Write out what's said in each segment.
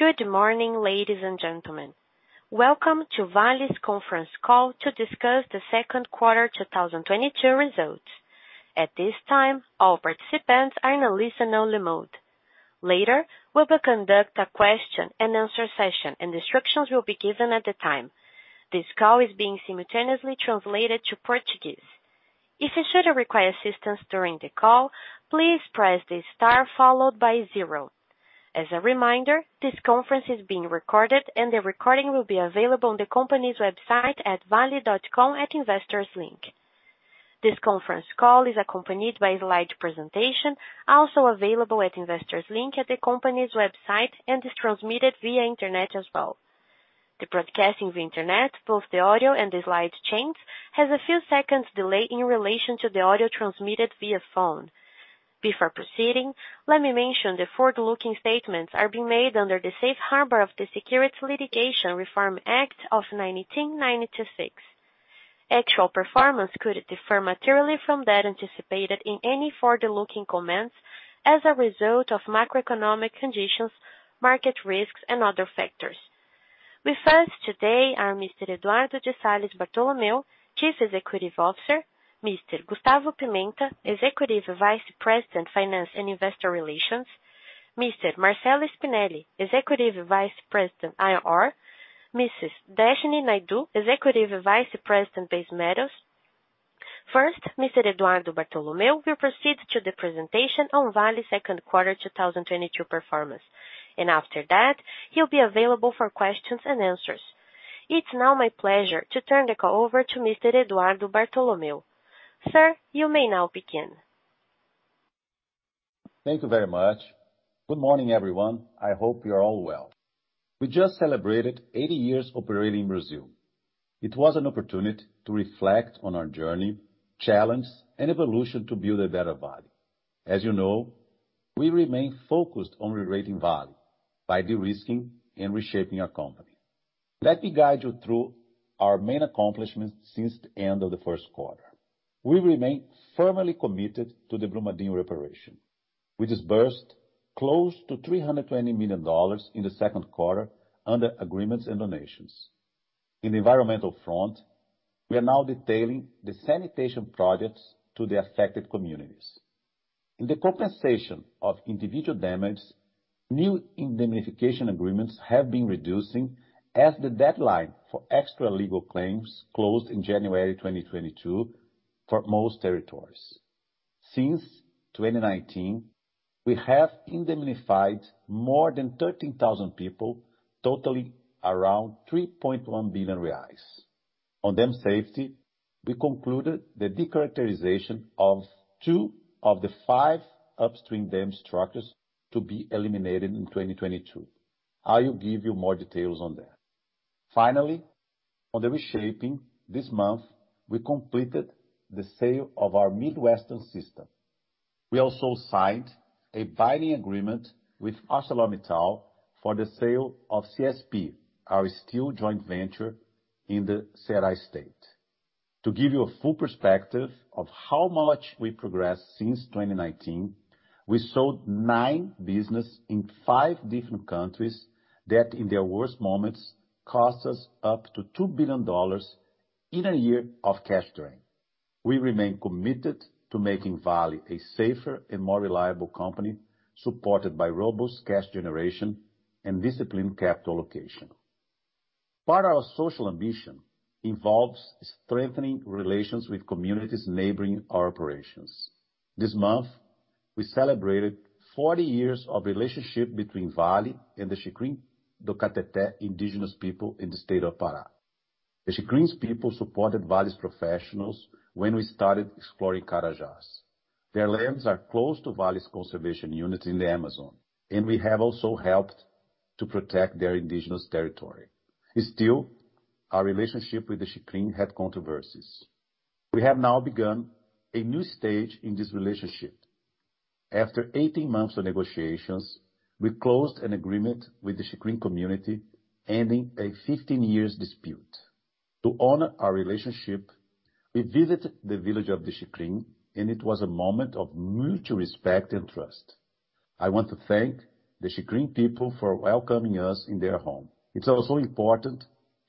Good morning, ladies and gentlemen. Welcome to Vale's conference call to discuss the second quarter 2022 results. At this time, all participants are in a listen-only mode. Later, we will conduct a question-and-answer session and instructions will be given at the time. This call is being simultaneously translated to Portuguese. If you should require assistance during the call, please press the star followed by zero. As a reminder, this conference is being recorded and the recording will be available on the company's website at vale.com at Investors link. This conference call is accompanied by slide presentation, also available at Investors link at the company's website and is transmitted via internet as well. The broadcast over the internet, both the audio and the slide changes, has a few seconds delay in relation to the audio transmitted via phone. Before proceeding, let me mention the forward-looking statements are being made under the safe harbor of the Private Securities Litigation Reform Act of 1996. Actual performance could differ materially from that anticipated in any forward-looking comments as a result of macroeconomic conditions, market risks, and other factors. With us today are Mr. Eduardo de Salles Bartolomeo, Chief Executive Officer, Mr. Gustavo Pimenta, Executive Vice President, Finance and Investor Relations. Mr. Marcello Spinelli, Executive Vice President, Iron Ore. Mrs. Deshnee Naidoo, Executive Vice President, Base Metals. First, Mr. Eduardo Bartolomeo will proceed to the presentation on Vale second quarter 2022 performance, and after that he'll be available for questions and answers. It's now my pleasure to turn the call over to Mr. Eduardo Bartolomeo. Sir, you may now begin. Thank you very much. Good morning, everyone. I hope you're all well. We just celebrated 80 years operating in Brazil. It was an opportunity to reflect on our journey, challenge and evolution to build a better body. As you know, we remain focused on rerating value by de-risking and reshaping our company. Let me guide you through our main accomplishments since the end of the first quarter. We remain firmly committed to the Brumadinho reparation. We disbursed close to $320 million in the second quarter under agreements and donations. In the environmental front, we are now detailing the sanitation projects to the affected communities. In the compensation of individual damage, new indemnification agreements have been reducing as the deadline for extralegal claims closed in January 2022 for most territories. Since 2019, we have indemnified more than 13,000 people, totaling around 3.1 billion reais. On dam safety, we concluded the decharacterization of two of the five upstream dam structures to be eliminated in 2022. I will give you more details on that. Finally, on the reshaping, this month we completed the sale of our Midwestern System. We also signed a binding agreement with ArcelorMittal for the sale of CSP, our steel joint venture in the Ceará state. To give you a full perspective of how much we progressed since 2019, we sold nine businesses in five different countries that, in their worst moments, cost us up to $2 billion in a year of cash drain. We remain committed to making Vale a safer and more reliable company, supported by robust cash generation and disciplined capital allocation. Part of our social ambition involves strengthening relations with communities neighboring our operations. This month we celebrated 40 years of relationship between Vale and the Xikrin do Cateté indigenous people in the state of Pará. The Xikrin people supported Vale's professionals when we started exploring Carajás. Their lands are close to Vale's conservation unit in the Amazon, and we have also helped to protect their indigenous territory. Still, our relationship with the Xikrin had controversies. We have now begun a new stage in this relationship. After 18 months of negotiations, we closed an agreement with the Xikrin community ending a 15 years dispute. To honor our relationship, we visited the village of the Xikrin and it was a moment of mutual respect and trust. I want to thank the Xikrin people for welcoming us in their home. It's also important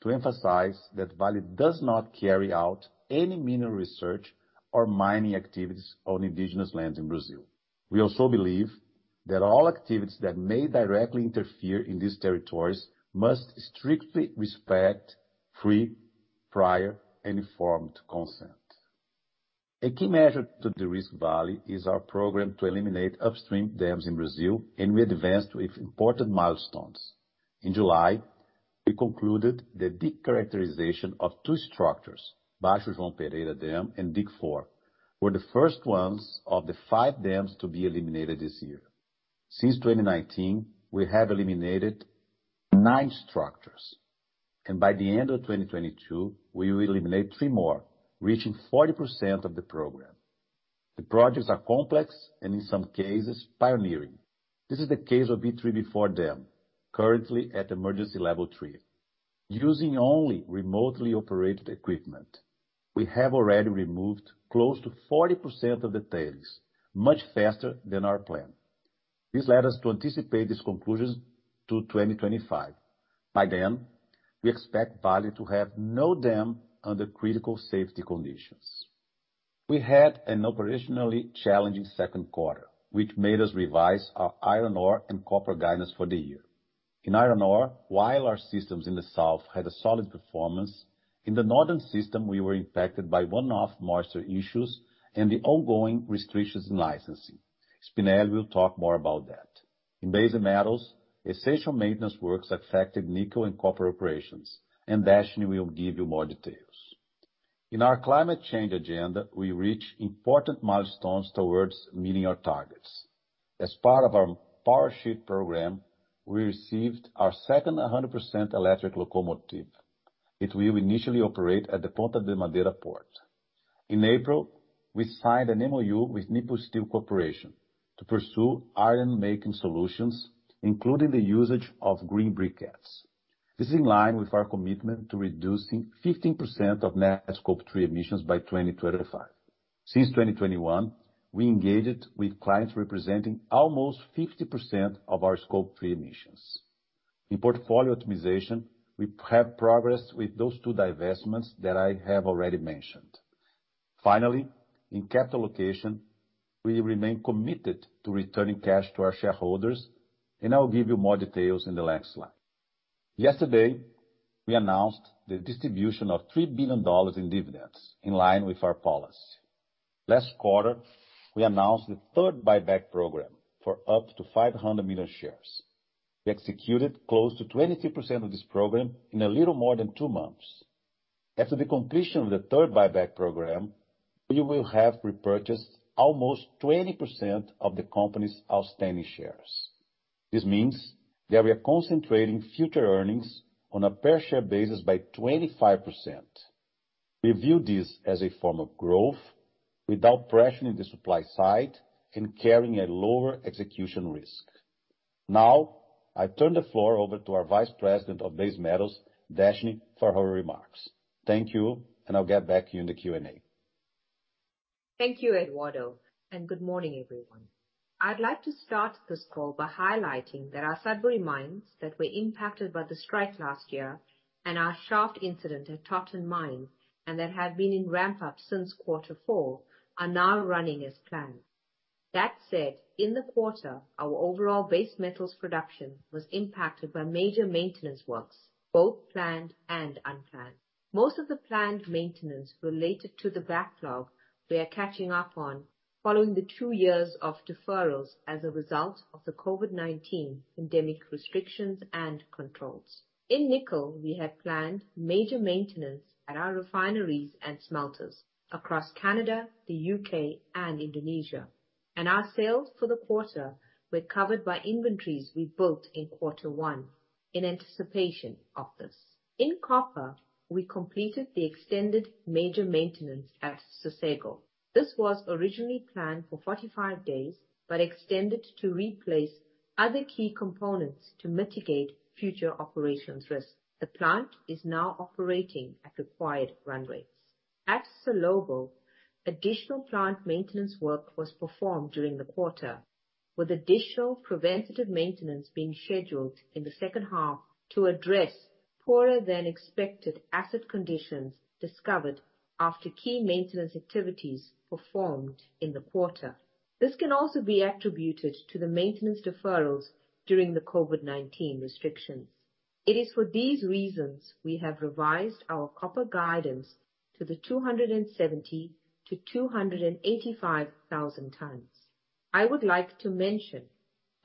to emphasize that Vale does not carry out any mineral research or mining activities on indigenous lands in Brazil. We also believe that all activities that may directly interfere in these territories must strictly respect free, prior and informed consent. A key measure to de-risk Vale is our program to eliminate upstream dams in Brazil, and we advanced with important milestones. In July, we concluded the decharacterization of two structures, Baixo João Pereira dam and Dike 4 were the first ones of the five dams to be eliminated this year. Since 2019, we have eliminated nine structures, and by the end of 2022 we will eliminate three more, reaching 40% of the program. The projects are complex and in some cases pioneering. This is the case of B3/B4 dam, currently at emergency level three. Using only remotely operated equipment, we have already removed close to 40% of the tailings, much faster than our plan. This led us to anticipate these conclusions to 2025. By then, we expect Vale to have no dam under critical safety conditions. We had an operationally challenging second quarter, which made us revise our iron ore and copper guidance for the year. In iron ore, while our systems in the south had a solid performance, in the northern system, we were impacted by one-off moisture issues and the ongoing restrictions in licensing. Spinelli will talk more about that. In base metals, essential maintenance works affected nickel and copper operations, and Deshnee will give you more details. In our climate change agenda, we reach important milestones towards meeting our targets. As part of our Power Shift program, we received our second 100% electric locomotive. It will initially operate at the Ponta da Madeira port. In April, we signed an MOU with Nippon Steel Corporation to pursue iron-making solutions, including the usage of green briquettes. This is in line with our commitment to reducing 15% of net scope 3 emissions by 2025. Since 2021, we engaged with clients representing almost 50% of our scope 3 emissions. In portfolio optimization, we have progressed with those two divestments that I have already mentioned. Finally, in capital allocation, we remain committed to returning cash to our shareholders, and I will give you more details in the next slide. Yesterday, we announced the distribution of $3 billion in dividends in line with our policy. Last quarter, we announced the third buyback program for up to 500 million shares. We executed close to 23% of this program in a little more than two months. After the completion of the third buyback program, we will have repurchased almost 20% of the company's outstanding shares. This means that we are concentrating future earnings on a per share basis by 25%. We view this as a form of growth without pressuring the supply side and carrying a lower execution risk. Now, I turn the floor over to our Vice President of Base Metals, Deshnee, for her remarks. Thank you, and I'll get back to you in the Q&A. Thank you, Eduardo, and good morning, everyone. I'd like to start this call by highlighting that our Sudbury mines that were impacted by the strike last year and our shaft incident at Totten Mine, and that have been in ramp up since quarter four, are now running as planned. That said, in the quarter, our overall base metals production was impacted by major maintenance works, both planned and unplanned. Most of the planned maintenance related to the backlog we are catching up on following the two years of deferrals as a result of the COVID-19 pandemic restrictions and controls. In nickel, we had planned major maintenance at our refineries and smelters across Canada, the U.K., and Indonesia, and our sales for the quarter were covered by inventories we built in quarter one in anticipation of this. In copper, we completed the extended major maintenance at Sossego. This was originally planned for 45 days, but extended to replace other key components to mitigate future operations risks. The plant is now operating at required run rates. At Salobo, additional plant maintenance work was performed during the quarter, with additional preventative maintenance being scheduled in the second half to address poorer-than-expected asset conditions discovered after key maintenance activities performed in the quarter. This can also be attributed to the maintenance deferrals during the COVID-19 restrictions. It is for these reasons we have revised our copper guidance to the 270,000 tons-285,000 tons. I would like to mention,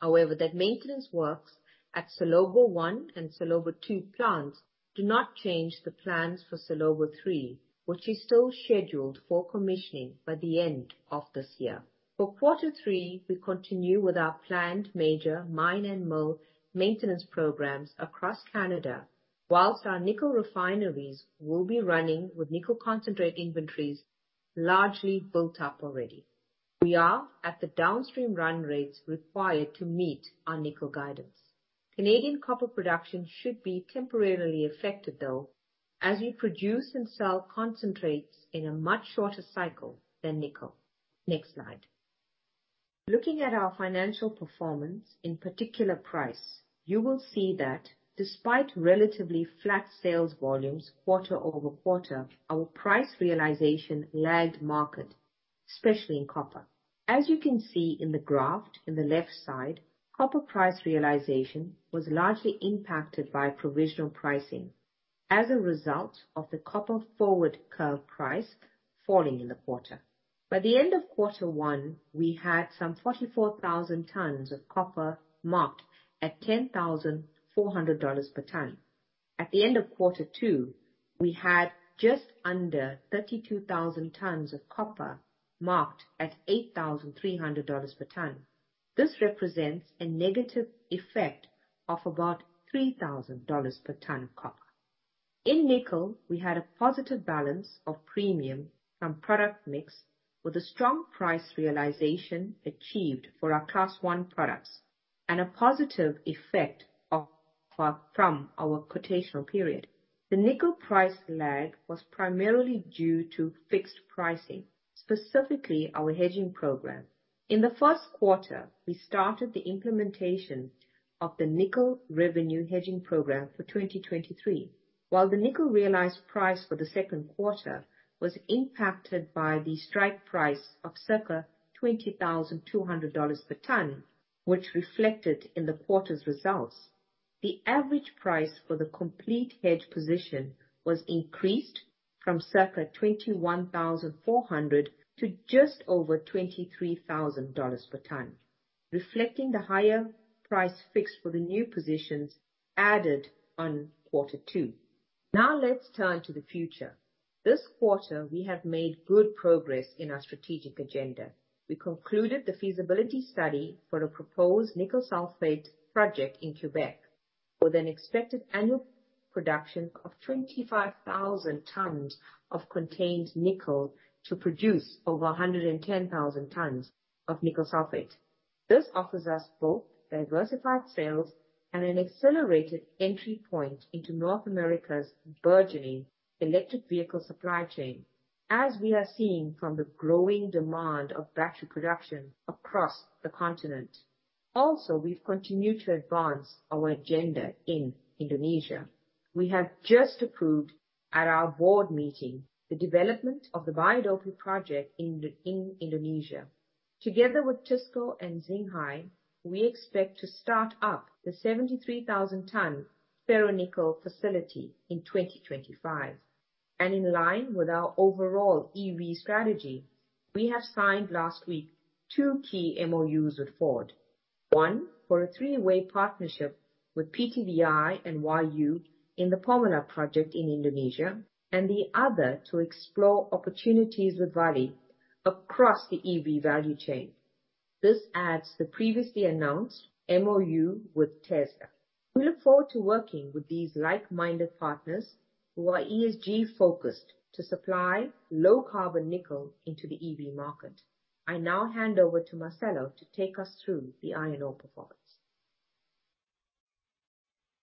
however, that maintenance works at Salobo I and Salobo II plants do not change the plans for Salobo III, which is still scheduled for commissioning by the end of this year. For quarter three, we continue with our planned major mine and mill maintenance programs across Canada, while our nickel refineries will be running with nickel concentrate inventories largely built up already. We are at the downstream run rates required to meet our nickel guidance. Canadian copper production should be temporarily affected, though, as we produce and sell concentrates in a much shorter cycle than nickel. Next slide. Looking at our financial performance, in particular price, you will see that despite relatively flat sales volumes quarter-over-quarter, our price realization lagged market, especially in copper. As you can see in the graph in the left side, copper price realization was largely impacted by provisional pricing as a result of the copper forward curve price falling in the quarter. By the end of quarter one, we had some 44,000 tons of copper marked at $10,400 per ton. At the end of quarter two, we had just under 32,000 tons of copper marked at $8,300 per ton. This represents a negative effect of about $3,000 per ton of copper. In nickel, we had a positive balance of premium from product mix with a strong price realization achieved for our Class 1 products and a positive effect from our quotational period. The nickel price lag was primarily due to fixed pricing, specifically our hedging program. In the first quarter, we started the implementation of the nickel revenue hedging program for 2023. While the nickel realized price for the second quarter was impacted by the strike price of circa $20,200 per ton, which reflected in the quarter's results. The average price for the complete hedge position was increased from circa $21,400 to just over $23,000 per ton, reflecting the higher price fixed for the new positions added on quarter two. Now let's turn to the future. This quarter we have made good progress in our strategic agenda. We concluded the feasibility study for a proposed nickel sulfate project in Quebec with an expected annual production of 25,000 tons of contained nickel to produce over 110,000 tons of nickel sulfate. This offers us both diversified sales and an accelerated entry point into North America's burgeoning electric vehicle supply chain, as we are seeing from the growing demand of battery production across the continent. Also we've continued to advance our agenda in Indonesia. We have just approved at our Board meeting the development of the Bahodopi project in Indonesia. Together with TISCO and Xinhai, we expect to start up the 73,000-ton ferronickel facility in 2025. In line with our overall EV strategy, we have signed last week two key MOUs with Ford. One for a three-way partnership with PTVI and Huayou in the Pomalaa project in Indonesia and the other to explore opportunities with Vale across the EV value chain. This adds the previously announced MOU with Tesla. We look forward to working with these like-minded partners who are ESG focused to supply low carbon nickel into the EV market. I now hand over to Marcello to take us through the iron ore performance.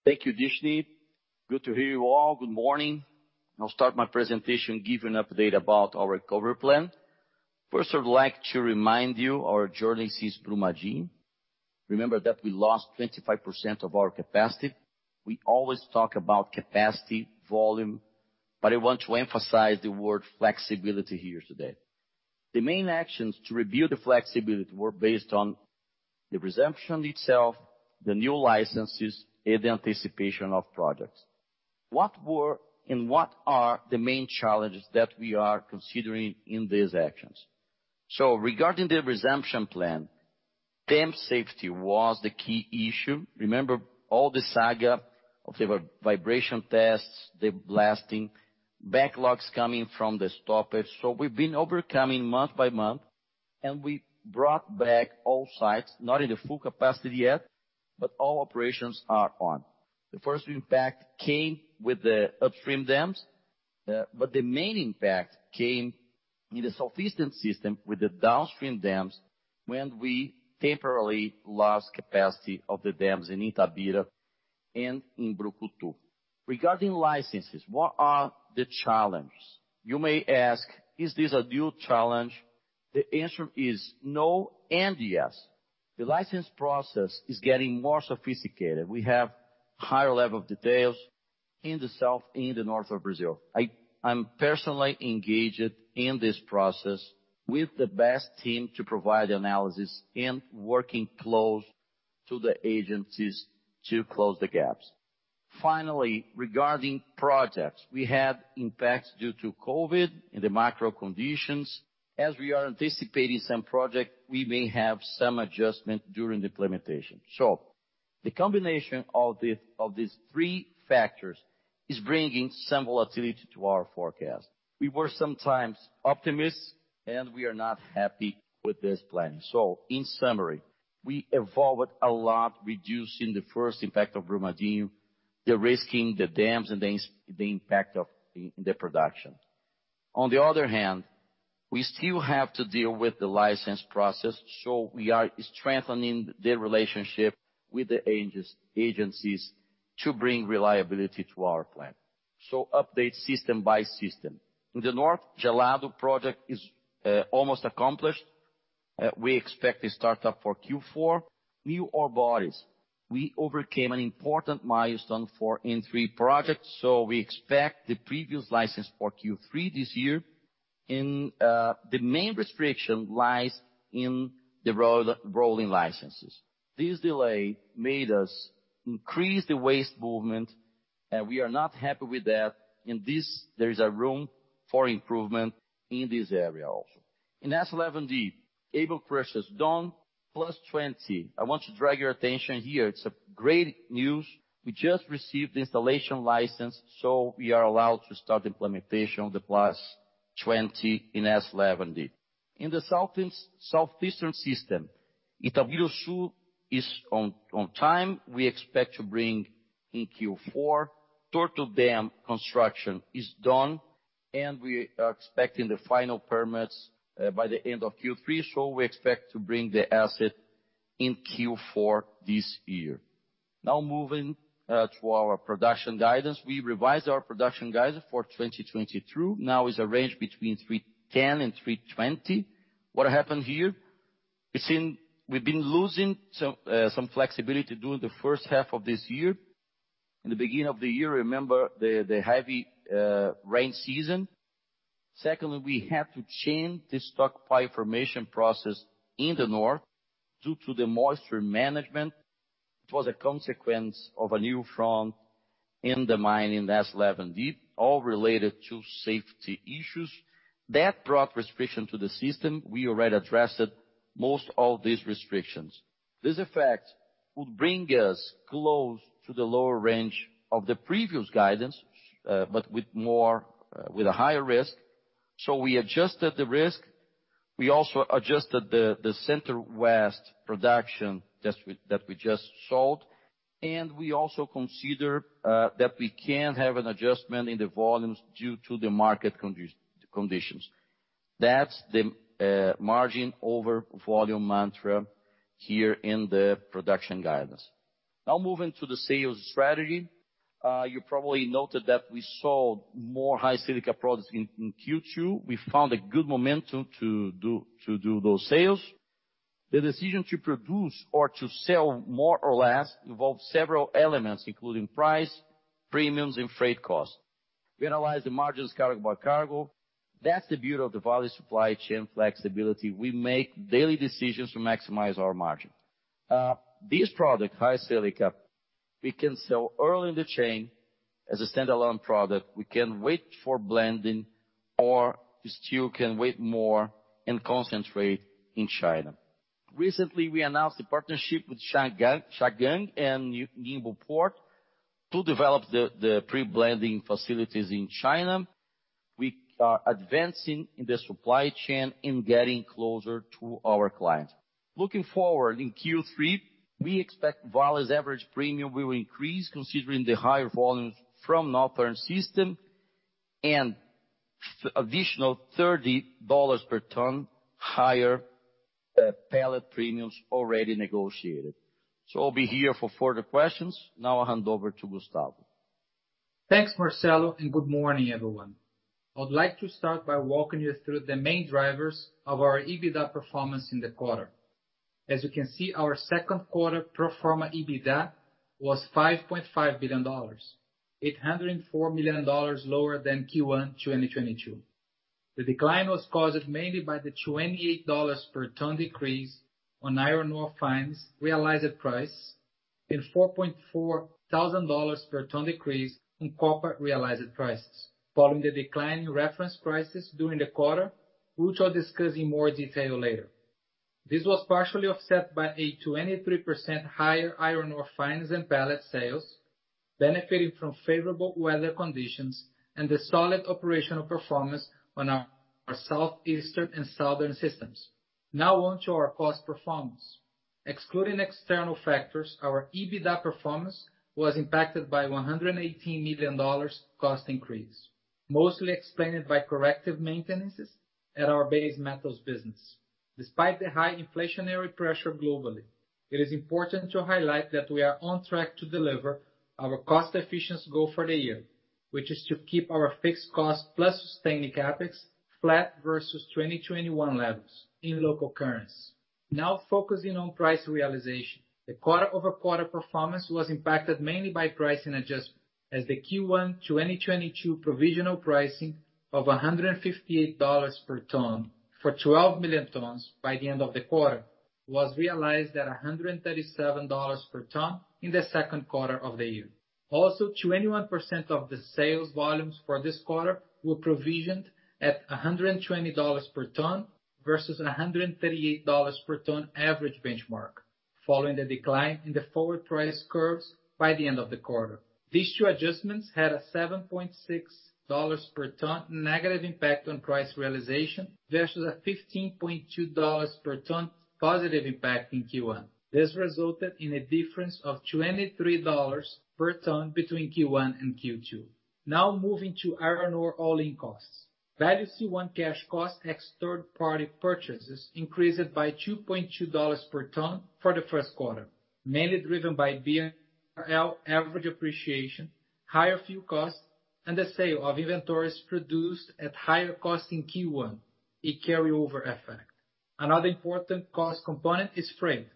Thank you, Deshnee. Good to hear you all. Good morning. I'll start my presentation giving update about our recovery plan. First, I'd like to remind you our journey since Brumadinho. Remember that we lost 25% of our capacity. We always talk about capacity, volume, but I want to emphasize the word flexibility here today. The main actions to review the flexibility were based on the resumption itself, the new licenses and the anticipation of projects. What were and what are the main challenges that we are considering in these actions? Regarding the resumption plan, dam safety was the key issue. Remember all the saga of the vibration tests, the blasting backlogs coming from the stoppage. We've been overcoming month by month, and we brought back all sites, not in the full capacity yet, but all operations are on. The first impact came with the upstream dams, but the main impact came in the southeastern system with the downstream dams when we temporarily lost capacity of the dams in Itabira and in Brucutu. Regarding licenses, what are the challenges? You may ask, is this a dual challenge? The answer is no and yes. The license process is getting more sophisticated. We have higher level of details in the south and the north of Brazil. I'm personally engaged in this process with the best team to provide analysis and working close to the agencies to close the gaps. Finally, regarding projects, we had impacts due to COVID in the macro conditions. As we are anticipating some project, we may have some adjustment during the implementation. The combination of these three factors is bringing some volatility to our forecast. We were sometimes optimists, and we are not happy with this plan. In summary, we evolved a lot reducing the first impact of Brumadinho, derisking the dams and then the impact of the production. On the other hand, we still have to deal with the license process, so we are strengthening the relationship with the agencies to bring reliability to our plan. Update system by system. In the north, Gelado project is almost accomplished. We expect a startup for Q4. New ore bodies, we overcame an important milestone in three projects. We expect the previous license for Q3 this year. The main restriction lies in the rolling licenses. This delay made us increase the waste movement, and we are not happy with that. In this, there is a room for improvement in this area also. In S11D, mobile crushers done +20. I want to draw your attention here. It's great news. We just received the installation license, so we are allowed to start implementation of the +20. 20 in S11D. In the Southeastern System, Itabiruçu is on time. We expect to bring in Q4. Torto Dam construction is done, and we are expecting the final permits by the end of Q3. We expect to bring the asset in Q4 this year. Now moving to our production guidance. We revised our production guidance for 2022. Now it's a range between 310 and 320. What happened here? We've been losing some flexibility during the first half of this year. In the beginning of the year, remember the heavy rain season. Secondly, we had to change the stockpile formation process in the north due to the moisture management. It was a consequence of a new front in the mine in S11D, all related to safety issues. That brought restriction to the system. We already addressed it, most of these restrictions. This effect would bring us close to the lower range of the previous guidance, but with more, with a higher risk. We adjusted the risk. We also adjusted the Center-West production just with, that we just sold. We also consider that we can have an adjustment in the volumes due to the market conditions. That's the margin over volume mantra here in the production guidance. Now moving to the sales strategy. You probably noted that we sold more high silica products in Q2. We found a good momentum to do those sales. The decision to produce or to sell more or less involves several elements, including price, premiums, and freight costs. We analyze the margins cargo by cargo. That's the beauty of the Vale supply chain flexibility. We make daily decisions to maximize our margin. This product, high silica, we can sell early in the chain as a standalone product. We can wait for blending, or we still can wait more and concentrate in China. Recently, we announced a partnership with Shandong and Ningbo-Zhoushan Port to develop the pre-blending facilities in China. We are advancing in the supply chain and getting closer to our clients. Looking forward, in Q3, we expect Vale's average premium will increase considering the higher volumes from northern system and additional $30 per ton higher pellet premiums already negotiated. I'll be here for further questions. Now I hand over to Gustavo. Thanks, Marcello, and good morning, everyone. I'd like to start by walking you through the main drivers of our EBITDA performance in the quarter. As you can see, our second quarter pro forma EBITDA was $5.5 billion, $804 million lower than Q1 2022. The decline was caused mainly by the $28 per ton decrease on iron ore fines realized price and $4,400 per ton decrease in copper realized prices following the decline in reference prices during the quarter, which I'll discuss in more detail later. This was partially offset by a 23% higher iron ore fines and pellet sales benefiting from favorable weather conditions and the solid operational performance on our Southeastern and Southern Systems. Now on to our cost performance. Excluding external factors, our EBITDA performance was impacted by $118 million cost increase, mostly explained by corrective maintenances at our base metals business. Despite the high inflationary pressure globally, it is important to highlight that we are on track to deliver our cost efficiency goal for the year, which is to keep our fixed cost plus sustaining CapEx flat versus 2021 levels in local currency. Now focusing on price realization. The quarter-over-quarter performance was impacted mainly by pricing adjustment as the Q1 2022 provisional pricing of $158 per ton for 12 million tons by the end of the quarter was realized at $137 per ton in the second quarter of the year. 21% of the sales volumes for this quarter were provisioned at $120 per ton versus $138 per ton average benchmark following the decline in the forward price curves by the end of the quarter. These two adjustments had a $7.6 per ton negative impact on price realization versus a $15.2 per ton positive impact in Q1. This resulted in a difference of $23 per ton between Q1 and Q2. Now moving to iron ore all-in costs. Vale C1 cash cost ex third-party purchases increased by $2.2 per ton for the first quarter, mainly driven by BRL average appreciation, higher fuel costs, and the sale of inventories produced at higher cost in Q1, a carryover effect. Another important cost component is freight,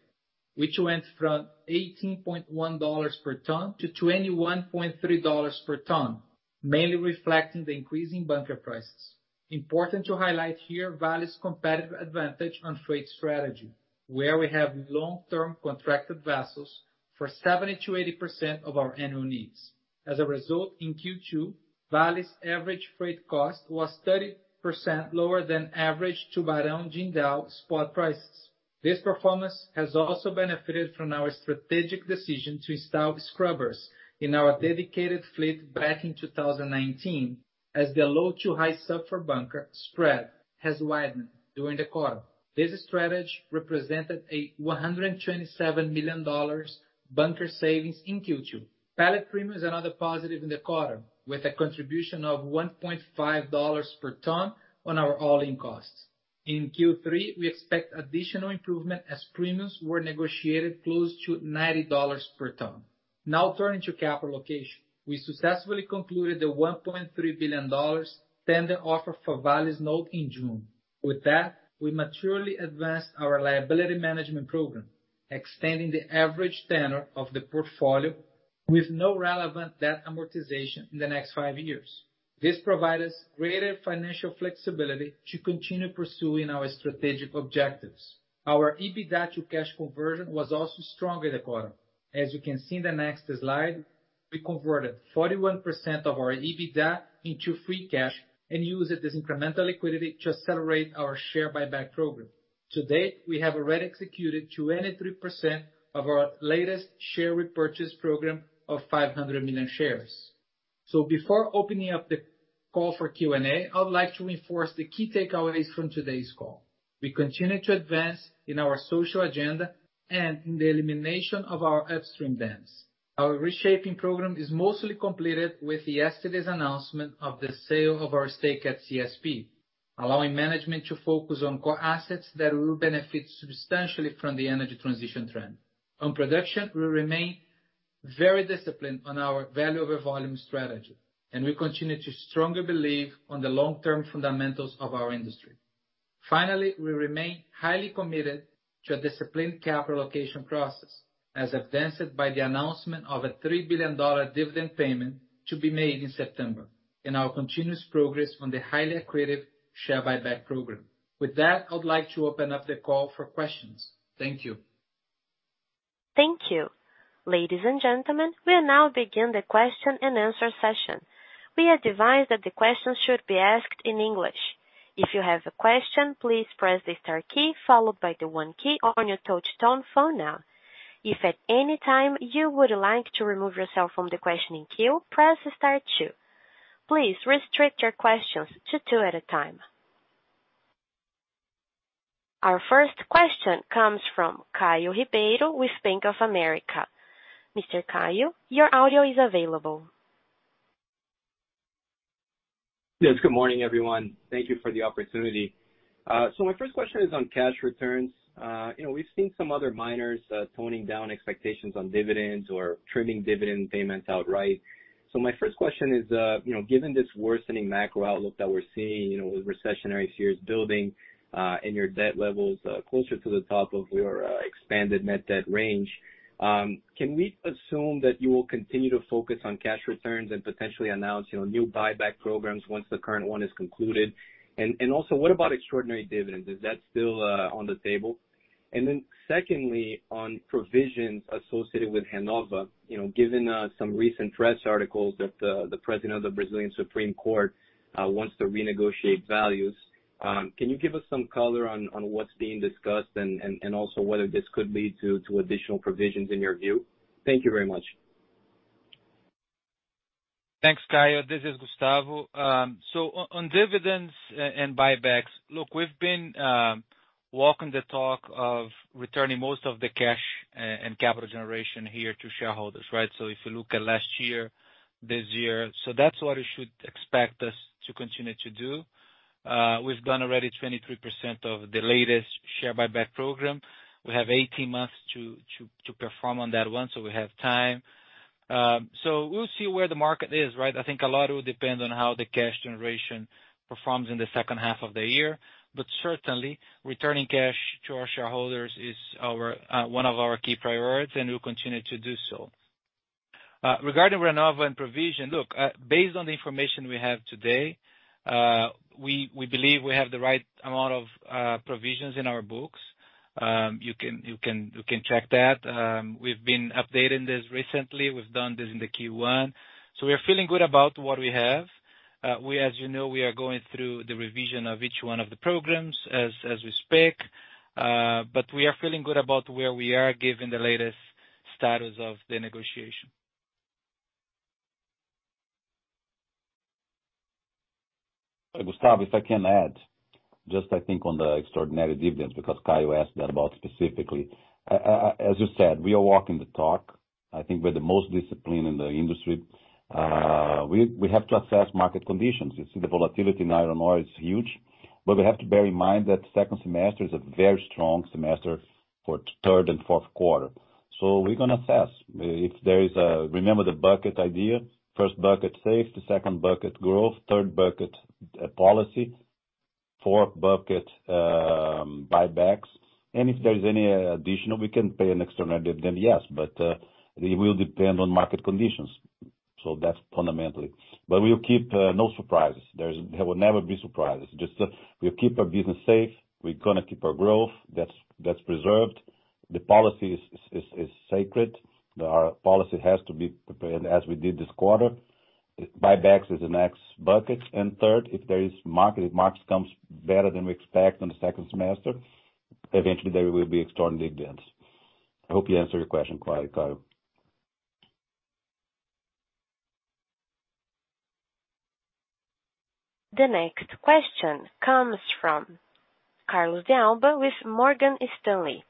which went from $18.1 per ton to $21.3 per ton. Mainly reflecting the increase in bunker prices. Important to highlight here Vale's competitive advantage on freight strategy, where we have long-term contracted vessels for 70%-80% of our annual needs. As a result, in Q2, Vale's average freight cost was 30% lower than average Tubarão-Qingdao spot prices. This performance has also benefited from our strategic decision to install scrubbers in our dedicated fleet back in 2019 as the low to high sulfur bunker spread has widened during the quarter. This strategy represented a $127 million bunker savings in Q2. Pellet premium is another positive in the quarter, with a contribution of $1.5 per ton on our all-in costs. In Q3, we expect additional improvement as premiums were negotiated close to $90 per ton. Now turning to capital allocation. We successfully concluded the $1.3 billion tender offer for Vale's note in June. With that, we materially advanced our liability management program, extending the average tenure of the portfolio with no relevant debt amortization in the next five years. This provides us greater financial flexibility to continue pursuing our strategic objectives. Our EBITDA to cash conversion was also strong in the quarter. As you can see in the next slide, we converted 41% of our EBITDA into free cash and used this incremental liquidity to accelerate our share buyback program. To date, we have already executed 23% of our latest share repurchase program of 500 million shares. Before opening up the call for Q&A, I would like to reinforce the key takeaways from today's call. We continue to advance in our social agenda and in the elimination of our upstream debts. Our reshaping program is mostly completed with yesterday's announcement of the sale of our stake at CSP, allowing management to focus on core assets that will benefit substantially from the energy transition trend. On production, we remain very disciplined on our value over volume strategy, and we continue to strongly believe on the long-term fundamentals of our industry. Finally, we remain highly committed to a disciplined capital allocation process as advanced by the announcement of a $3 billion dividend payment to be made in September and our continuous progress on the highly accretive share buyback program. With that, I would like to open up the call for questions. Thank you. Thank you. Ladies and gentlemen, we'll now begin the question-and-answer session. We advise that the questions should be asked in English. If you have a question, please press the star key followed by the one key on your touch tone phone now. If at any time you would like to remove yourself from the questioning queue, press star two. Please restrict your questions to two at a time. Our first question comes from Caio Ribeiro with Bank of America. Mr. Caio, your audio is available. Yes, good morning, everyone. Thank you for the opportunity. My first question is on cash returns. You know, we've seen some other miners toning down expectations on dividends or trimming dividend payments outright. My first question is, you know, given this worsening macro outlook that we're seeing, you know, with recessionary fears building, and your debt levels closer to the top of your expanded net debt range, can we assume that you will continue to focus on cash returns and potentially announce, you know, new buyback programs once the current one is concluded? Also, what about extraordinary dividends? Is that still on the table? Secondly, on provisions associated with Renova, you know, given some recent press articles that the president of the Brazilian Supreme Court wants to renegotiate values, can you give us some color on what's being discussed and also whether this could lead to additional provisions in your view? Thank you very much. Thanks, Caio. This is Gustavo. On dividends and buybacks, look, we've been walking the talk of returning most of the cash and capital generation here to shareholders, right? If you look at last year, this year. That's what you should expect us to continue to do. We've done already 23% of the latest share buyback program. We have 18 months to perform on that one, so we have time. We'll see where the market is, right? I think a lot will depend on how the cash generation performs in the second half of the year. Certainly, returning cash to our shareholders is one of our key priorities, and we'll continue to do so. Regarding Renova and provision, look, based on the information we have today, we believe we have the right amount of provisions in our books. You can check that. We've been updating this recently. We've done this in the Q1. We are feeling good about what we have. As you know, we are going through the revision of each one of the programs as we speak. We are feeling good about where we are given the latest status of the negotiation. Gustavo, if I can add, just I think on the extraordinary dividends, because Caio asked that about specifically. As you said, we are walking the talk. I think we're the most disciplined in the industry. We have to assess market conditions. You see the volatility in iron ore is huge, but we have to bear in mind that second semester is a very strong semester for third and fourth quarter. We're gonna assess if there is a. Remember the bucket idea? First bucket, safe. The second bucket, growth. Third bucket, policy. For bucket, buybacks, and if there's any additional, we can pay an extra dividend, yes. It will depend on market conditions. That's fundamentally. We'll keep no surprises. There will never be surprises. Just, we'll keep our business safe. We're gonna keep our growth. That's preserved. The policy is sacred. Our policy has to be preserved as we did this quarter. Buybacks is the next bucket. Third, if markets comes better than we expect in the second semester, eventually there will be extraordinary events. I hope we answered your question, Caio. The next question comes from Carlos De Alba with Morgan Stanley.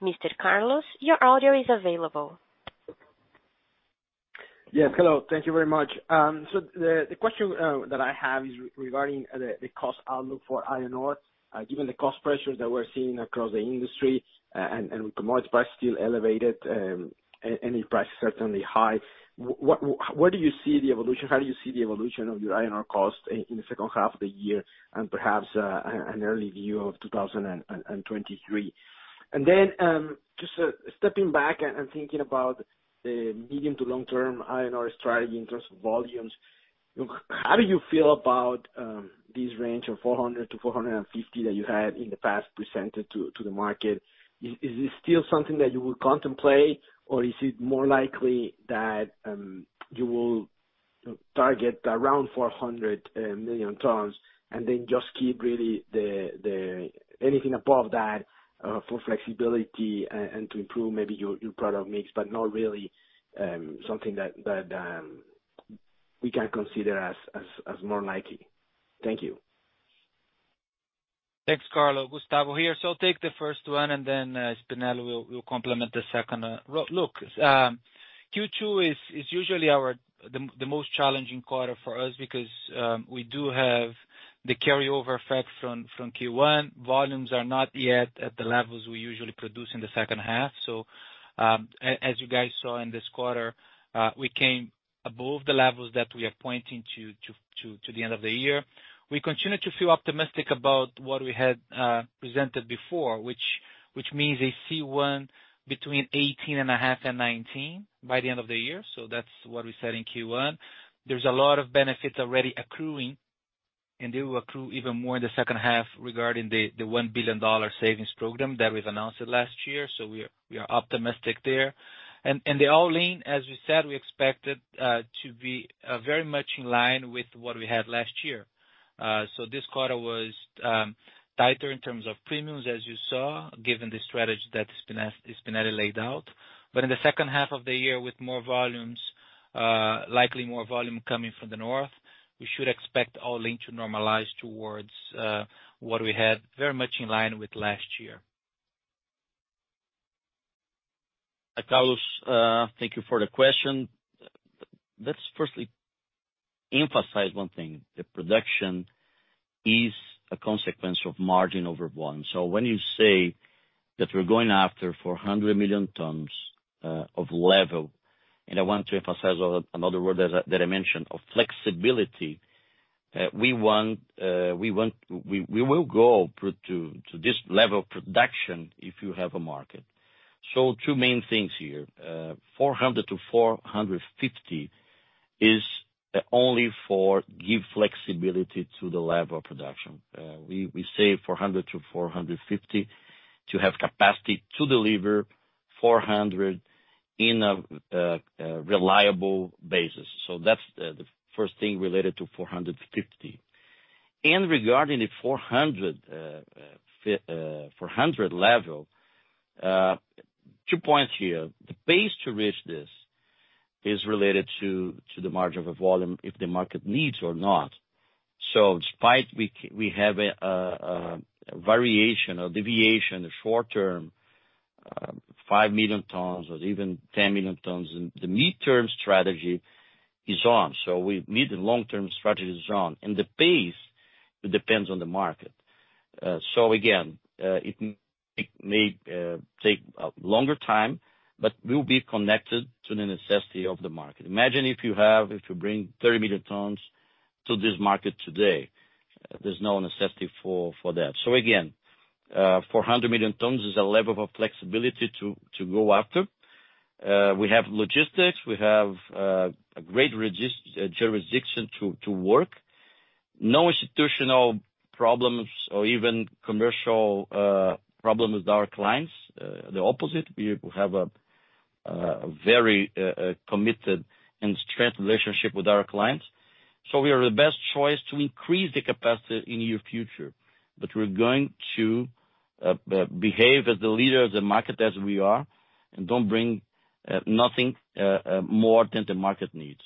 Mr. Carlos, your audio is available. Yes. Hello. Thank you very much. So the question that I have is regarding the cost outlook for iron ore, given the cost pressures that we're seeing across the industry, and with commodity price still elevated, and price certainly high, where do you see the evolution? How do you see the evolution of your iron ore cost in the second half of the year and perhaps an early view of 2023? Just stepping back and thinking about the medium to long term iron ore strategy in terms of volumes, how do you feel about this range of 400 million tons-450 million tons that you had in the past presented to the market? Is this still something that you would contemplate, or is it more likely that you will target around 400 million tons and then just keep really the anything above that for flexibility and to improve maybe your product mix, but not really something that we can consider as more likely? Thank you. Thanks, Carlos. Gustavo here. I'll take the first one, and then Spinelli will complement the second. Look, Q2 is usually our most challenging quarter for us because we do have the carryover effect from Q1. Volumes are not yet at the levels we usually produce in the second half. As you guys saw in this quarter, we came above the levels that we are pointing to the end of the year. We continue to feel optimistic about what we had presented before, which means a C1 between 18.5 and 19 by the end of the year. That's what we said in Q1. There's a lot of benefits already accruing, and they will accrue even more in the second half regarding the $1 billion savings program that we've announced last year. We are optimistic there. The all-in, as we said, we expected to be very much in line with what we had last year. This quarter was tighter in terms of premiums, as you saw, given the strategy that Spinelli laid out. In the second half of the year, with more volumes, likely more volume coming from the north, we should expect all-in to normalize towards what we had very much in line with last year. Carlos, thank you for the question. Let's firstly emphasize one thing, that production is a consequence of margin over one. When you say that we're going after 400 million tons level, and I want to emphasize another word that I mentioned, of flexibility, we will go to this level of production if you have a market. Two main things here. 400 million tons-450 million tons is only to give flexibility to the level of production. We say 400 million tons-450 million tons to have capacity to deliver 400 million tons on a reliable basis. That's the first thing related to 450 million tons. Regarding the 400 million tons level, two points here. The pace to reach this is related to the margin or volume, if the market needs or not. Despite we have a variation or deviation in the short term, 5 million tons or even 10 million tons, the mid-term strategy is on. The long-term strategy is on, and the pace depends on the market. It may take a longer time, but will be connected to the necessity of the market. Imagine if you bring 30 million tons to this market today, there's no necessity for that. 400 million tons is a level of flexibility to go after. We have logistics. We have a great jurisdiction to work. No institutional problems or even commercial problem with our clients. The opposite. We have a very committed and strong relationship with our clients. We are the best choice to increase the capacity in near future. We're going to behave as the leader of the market as we are and don't bring nothing more than the market needs.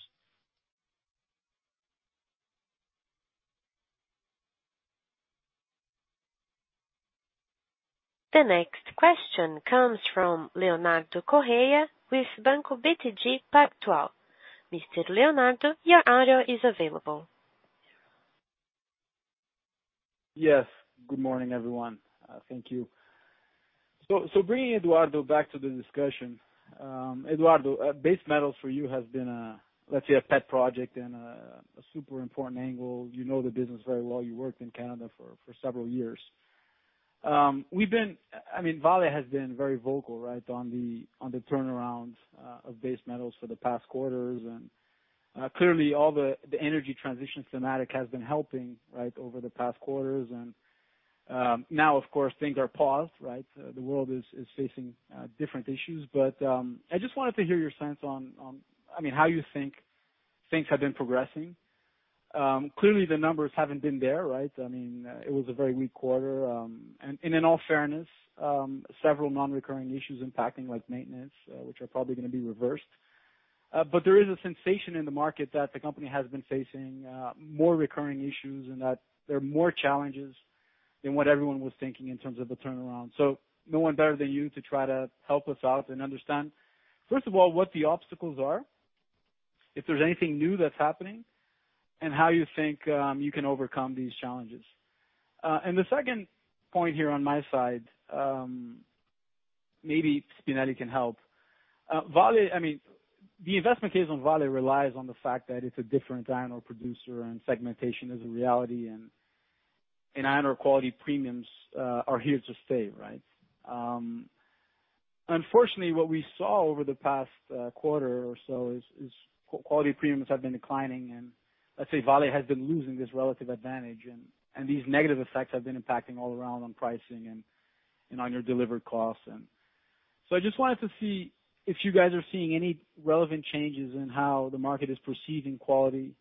The next question comes from Leonardo Correa with Banco BTG Pactual. Mr. Leonardo, your audio is available. Yes. Good morning, everyone. Thank you. Bringing Eduardo back to the discussion, Eduardo, base metals for you has been a, let's say, a pet project and a super important angle. You know the business very well. You worked in Canada for several years. Vale has been very vocal, right, on the turnaround of base metals for the past quarters. Clearly all the energy transition thematic has been helping, right, over the past quarters. Now of course, things are paused, right? The world is facing different issues. I just wanted to hear your sense on, I mean, how you think things have been progressing. Clearly the numbers haven't been there, right? I mean, it was a very weak quarter. In all fairness, several non-recurring issues impacting like maintenance, which are probably gonna be reversed. There is a sensation in the market that the company has been facing more recurring issues and that there are more challenges than what everyone was thinking in terms of the turnaround. No one better than you to try to help us out and understand, first of all, what the obstacles are, if there's anything new that's happening, and how you think you can overcome these challenges. The second point here on my side, maybe Spinelli can help. Vale, I mean, the investment case on Vale relies on the fact that it's a different iron ore producer and segmentation is a reality and iron ore quality premiums are here to stay, right? Unfortunately, what we saw over the past quarter or so is quality premiums have been declining. Let's say Vale has been losing this relative advantage, and these negative effects have been impacting all around on pricing and on your delivered costs. I just wanted to see if you guys are seeing any relevant changes in how the market is perceiving quality,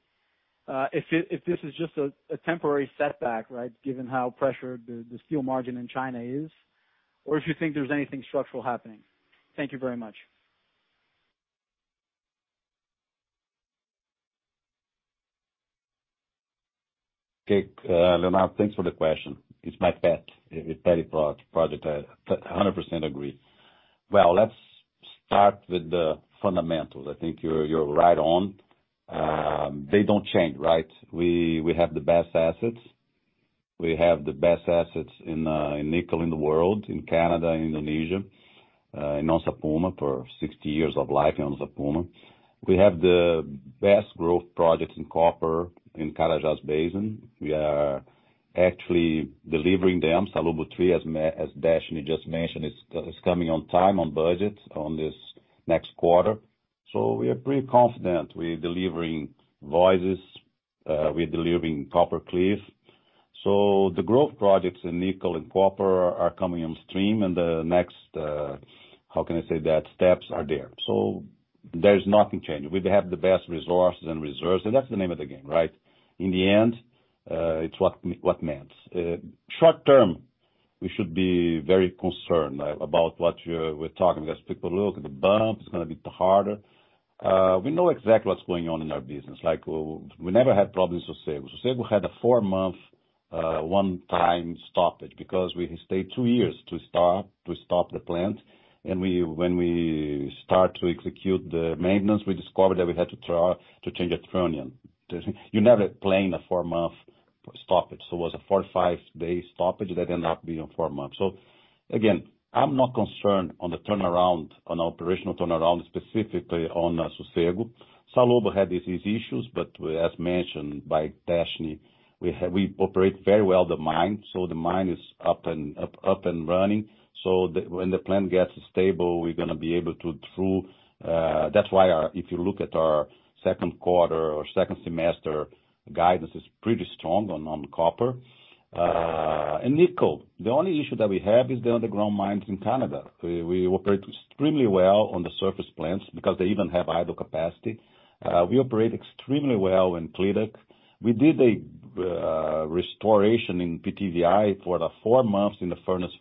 if this is just a temporary setback, right, given how pressured the steel margin in China is, or if you think there's anything structural happening. Thank you very much. Okay. Leonardo, thanks for the question. It's my pet project. I 100% agree. Well, let's start with the fundamentals. I think you're right on. They don't change, right? We have the best assets. We have the best assets in nickel in the world, in Canada, Indonesia, in Onça Puma for 60 years of life in Onça Puma. We have the best growth projects in copper in Carajás basin. We are actually delivering them. Salobo III, as Deshnee just mentioned, is coming on time, on budget in this next quarter. We are pretty confident we're delivering Voisey's, we're delivering copper KPIs. The growth projects in nickel and copper are coming on stream and the next, how can I say that, steps are there. There's nothing changing. We have the best resources and reserves, and that's the name of the game, right? In the end, it's what matters. Short term, we should be very concerned about what we're talking. Let's take a look at the bump. It's gonna be harder. We know exactly what's going on in our business. Like, we never had problems with Sossego. Sossego had a four-month, one-time stoppage because we stayed two years to stop the plant. We, when we start to execute the maintenance, we discovered that we had to try to change a trunnion. You never plan a four-month stoppage. It was a four- or five-day stoppage that ended up being four months. Again, I'm not concerned on the turnaround, on operational turnaround, specifically on Sossego. Salobo had these issues, but as mentioned by Deshnee, we operate very well the mine, so the mine is up and running. When the plant gets stable, we're gonna be able to through. That's why, if you look at our second quarter or second semester, guidance is pretty strong on copper and nickel, the only issue that we have is the underground mines in Canada. We operate extremely well on the surface plants because they even have idle capacity. We operate extremely well in Clydach. We did a restoration in PTVI for the four months in the furnace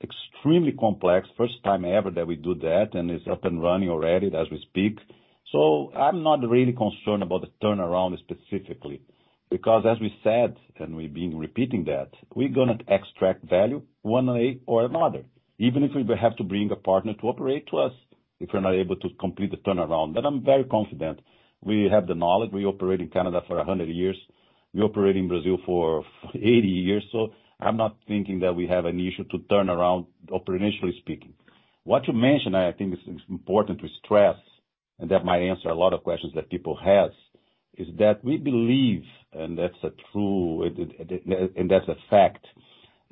four. Extremely complex. First time ever that we do that, and it's up and running already as we speak. I'm not really concerned about the turnaround specifically because as we said, and we've been repeating that, we're gonna extract value one way or another, even if we have to bring a partner to operate for us, if we're not able to complete the turnaround. I'm very confident we have the knowledge. We operate in Canada for 100 years. We operate in Brazil for 80 years. I'm not thinking that we have an issue to turn around operationally speaking. What you mentioned, I think is important to stress, and that might answer a lot of questions that people have, is that we believe, and that's true, and that's a fact,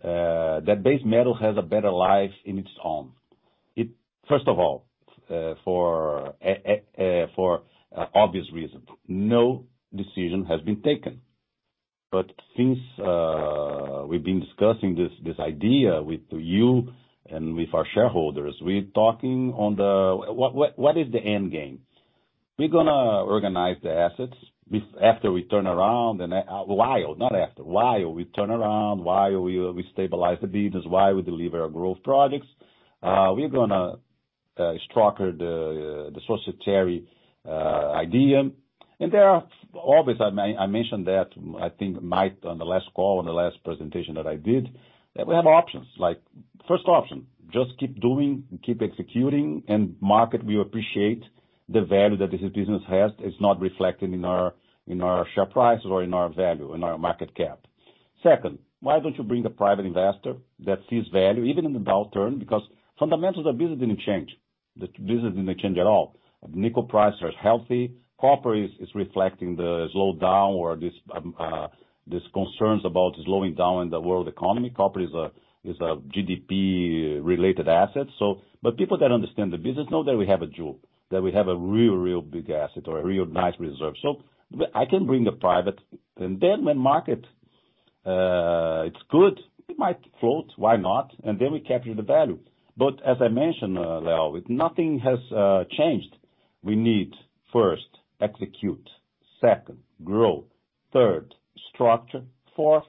that base metal has a better life in its home. First of all, for obvious reasons, no decision has been taken. Since we've been discussing this idea with you and with our shareholders, we're talking on the. What is the end game? We're gonna organize the assets after we turn around and while, not after, while we turn around, while we stabilize the business, while we deliver our growth projects, we're gonna structure the societary idea. There are always, I mentioned that I think might on the last call, on the last presentation that I did, that we have options. Like, first option, just keep doing, keep executing and market will appreciate. The value that this business has is not reflected in our share prices or in our value, in our market cap. Second, why don't you bring a private investor that sees value even in the downturn because fundamentals of business didn't change. The business didn't change at all. Nickel prices are healthy. Copper is reflecting the slowdown or these concerns about slowing down in the world economy. Copper is a GDP-related asset. People that understand the business know that we have a jewel, that we have a real big asset or a real nice reserve. I can bring a private. Then when the market is good, it might float. Why not? Then we capture the value. As I mentioned, Leo, nothing has changed. We need first execute, second grow, third structure, fourth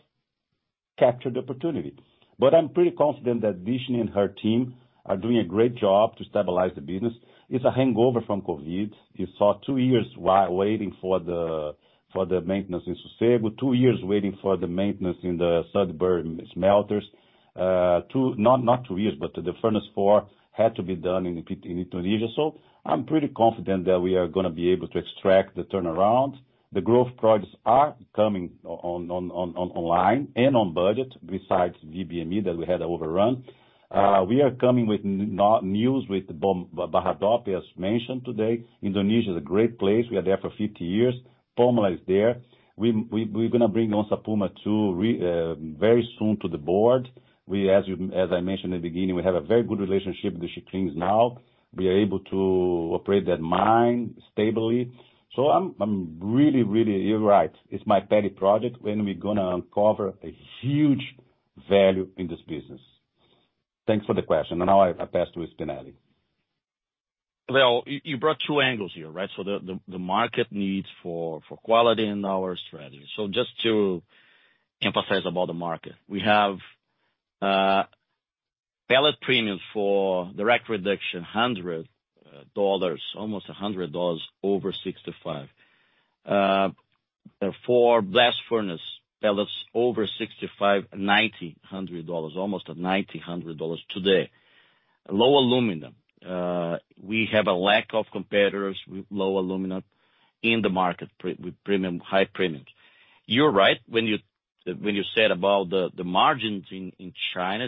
capture the opportunity. I'm pretty confident that Deshnee and her team are doing a great job to stabilize the business. It's a hangover from COVID. You saw two years waiting for the maintenance in Sossego, two years waiting for the maintenance in the Sudbury smelters, but the furnace four had to be done in Indonesia. I'm pretty confident that we are gonna be able to execute the turnaround. The growth projects are coming online and on budget besides VBME that we had overrun. We are coming with news with Bahodopi as mentioned today. Indonesia is a great place. We are there for 50 years. Puma is there. We're gonna bring on Onça Puma 2 very soon to the board. As I mentioned in the beginning, we have a very good relationship with the Xikrin now. We are able to operate that mine stably. I'm really. You're right, it's my pet project, and we're gonna uncover a huge value in this business. Thanks for the question. Now I pass to Spinelli. Well, you brought two angles here, right? The market need for quality and our strategy. Just to emphasize about the market. We have pellet premium for direct reduction, $100, almost $100 over 65. For blast furnace pellets over 65, $90-$100, almost $90-$100 today. Low alumina, we have a lack of competitors with low alumina in the market with premium, high premiums. You're right when you said about the margins in China,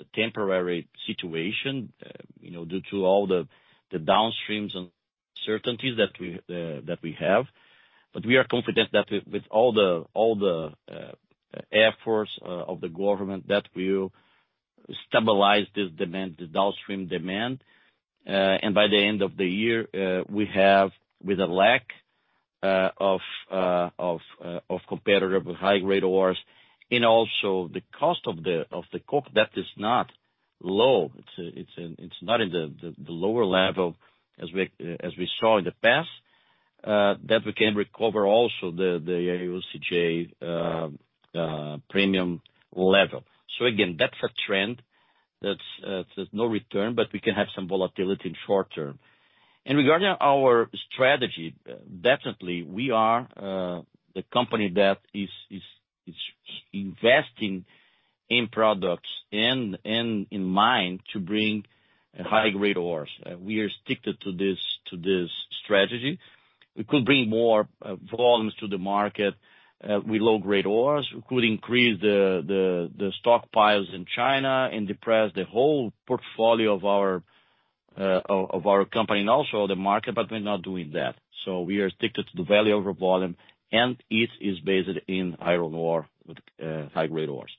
it's a temporary situation, you know, due to all the downstream uncertainties that we have. We are confident that with all the efforts of the government that will stabilize this demand, the downstream demand, and by the end of the year, we have with a lack of competitive high-grade ores, and also the cost of the coke that is not low. It's not in the lower level as we saw in the past, that we can recover also the IOCJ premium level. So again, that's a trend that's no return, but we can have some volatility in short term. Regarding our strategy, definitely we are the company that is investing in products and in mine to bring high-grade ores. We are sticking to this strategy. We could bring more volumes to the market with low-grade ores. We could increase the stockpiles in China and depress the whole portfolio of our company and also the market, but we're not doing that. We are sticking to the value over volume, and it is based in iron ore with high-grade ores.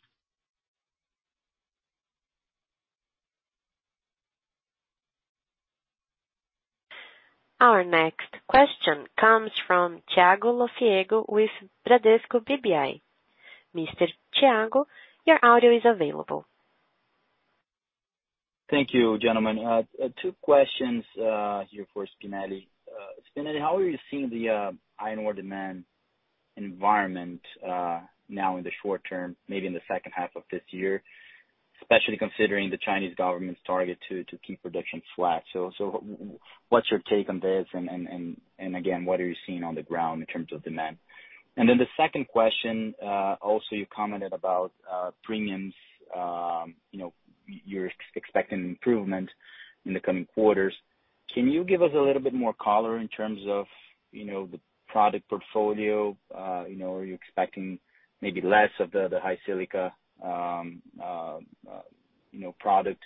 Our next question comes from Thiago Lofiego with Bradesco BBI. Mr. Thiago, your audio is available. Thank you, gentlemen. Two questions here for Spinelli. Spinelli, how are you seeing the iron ore demand environment now in the short term, maybe in the second half of this year, especially considering the Chinese government's target to keep production flat? What's your take on this and again, what are you seeing on the ground in terms of demand? Then the second question, also you commented about premiums. You know, you're expecting improvement in the coming quarters. Can you give us a little bit more color in terms of the product portfolio? You know, are you expecting maybe less of the high silica product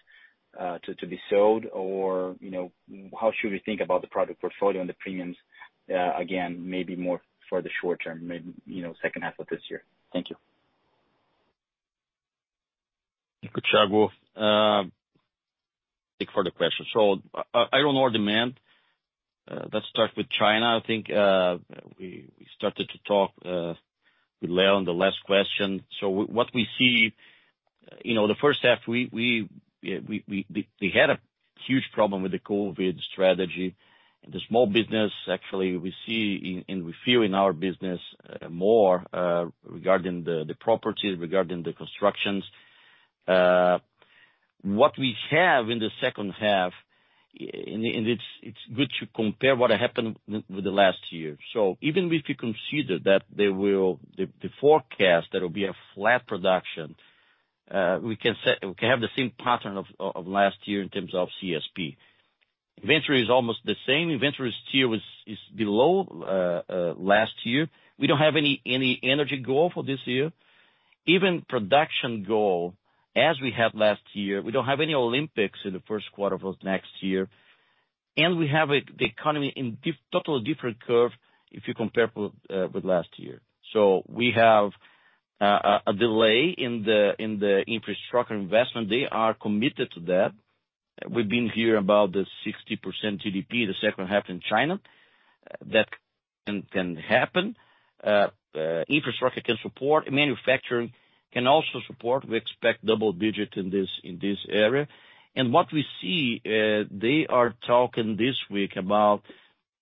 to be sold? You know, how should we think about the product portfolio and the premiums, again, maybe more for the short term, maybe, you know, second half of this year? Thank you. Thank you, Thiago, thank you for the question. Iron ore demand, let's start with China. I think, we started to talk with Leo on the last question. What we see, you know, the first half, we had a huge problem with the COVID-19 strategy. The small business actually we see and we feel in our business more regarding the properties, regarding the constructions. What we have in the second half, and it's good to compare what happened with the last year. Even if you consider the forecast, there will be a flat production, we can have the same pattern of last year in terms of CSP. Inventory is almost the same. Inventory this year is below last year. We don't have any energy goal for this year. Even production goal, as we had last year, we don't have any Olympics in the first quarter of next year. We have the economy in totally different curve if you compare with last year. We have a delay in the infrastructure investment. They are committed to that. We've been hearing about the 60% GDP the second half in China. That can happen. Infrastructure can support. Manufacturing can also support. We expect double-digit in this area. What we see, they are talking this week about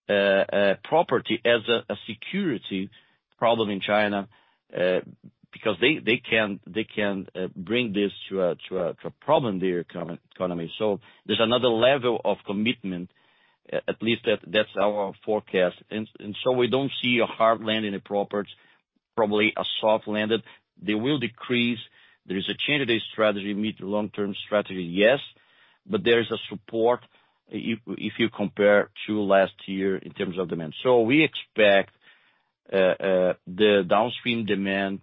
property as a security problem in China, because they can bring this to a problem their economy. There's another level of commitment, at least that's our forecast. We don't see a hard landing in the properties, probably a soft landing. They will decrease. There is a change of the strategy, mid to long-term strategy, yes. But there is a support if you compare to last year in terms of demand. We expect the downstream demand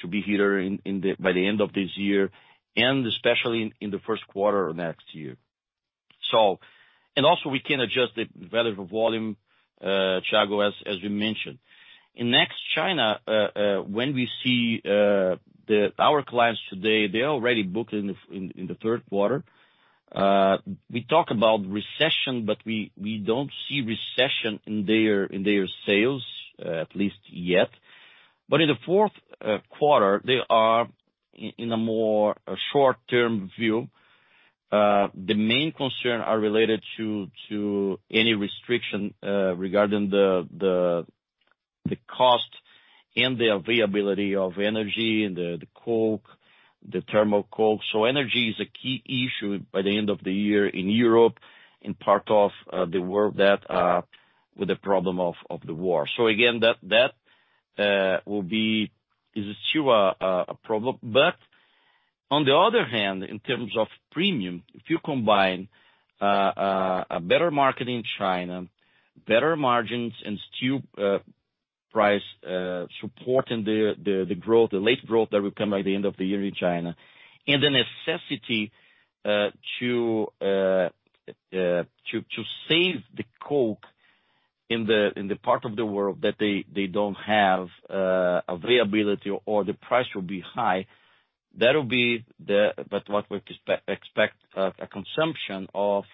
to be higher by the end of this year, and especially in the first quarter of next year. We can adjust the value over volume, Thiago, as we mentioned. In next China, when we see our clients today, they already booked in the third quarter. We talk about recession, but we don't see recession in their sales, at least yet. In the fourth quarter, they are in a more short-term view. The main concern are related to any restriction regarding the cost and the availability of energy and the coke, thermal coke. Energy is a key issue by the end of the year in Europe, in part of the world that with the problem of the war. That will be. Is still a problem. On the other hand, in terms of premium, if you combine a better market in China, better margins and steel price supporting the growth, the late growth that will come by the end of the year in China. The necessity to save the coke in the part of the world that they don't have availability or the price will be high. What we expect, a consumption of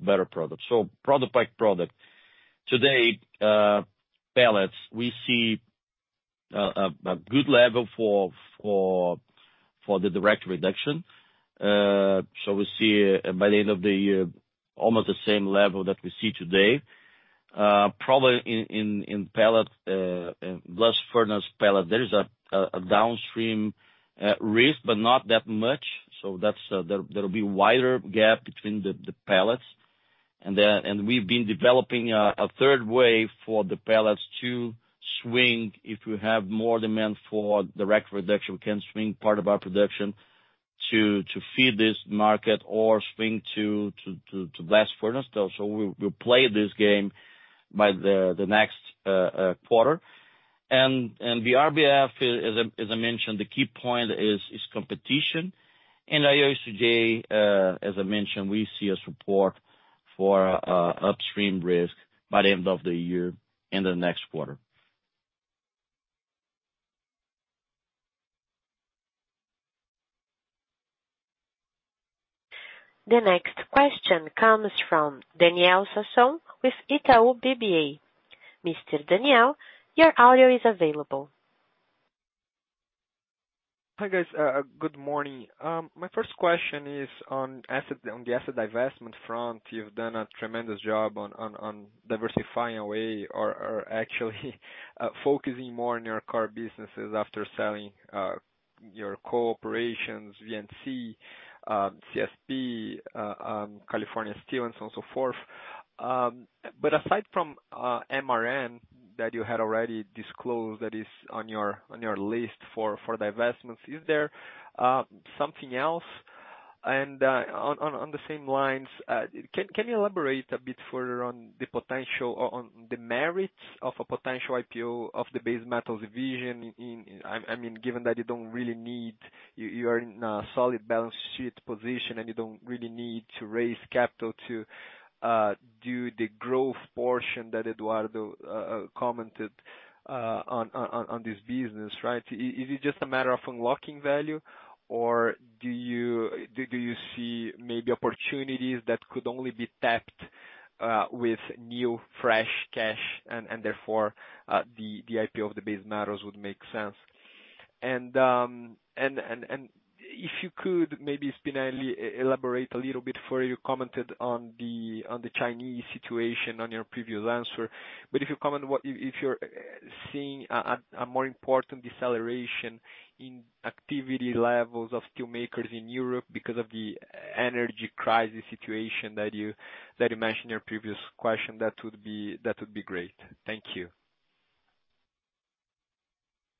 better products. Product by product. Today, pellets, we see a good level for the direct reduction. We see by the end of the year, almost the same level that we see today. Probably in pellet, blast furnace pellet, there is a downstream risk, but not that much. That's. There will be wider gap between the pellets. We've been developing a third way for the pellets to swing. If we have more demand for direct reduction, we can swing part of our production to feed this market or swing to blast furnace. We'll play this game by the next quarter. The BRBF, as I mentioned, the key point is competition. IOCJ, as I mentioned, we see a support for upstream risk by the end of the year into next quarter. The next question comes from Daniel Sasson with Itaú BBA. Mr. Daniel, your audio is available. Hi, guys. Good morning. My first question is on the asset divestment front. You've done a tremendous job on diversifying away or actually focusing more on your core businesses after selling your coal operations, VNC, CSP, California Steel Industries and so on, so forth. But aside from MRN that you had already disclosed that is on your list for divestments, is there something else? On the same lines, can you elaborate a bit further on the merits of a potential IPO of the base metals division in... I mean, given that you don't really need you are in a solid balance sheet position, and you don't really need to raise capital to do the growth portion that Eduardo commented on this business, right? Is it just a matter of unlocking value, or do you see maybe opportunities that could only be tapped with new, fresh cash and therefore the IPO of the base metals would make sense? If you could maybe, Spinelli, elaborate a little bit further. You commented on the Chinese situation on your previous answer. If you're seeing a more important deceleration in activity levels of steel makers in Europe because of the energy crisis situation that you mentioned in your previous question, that would be great. Thank you.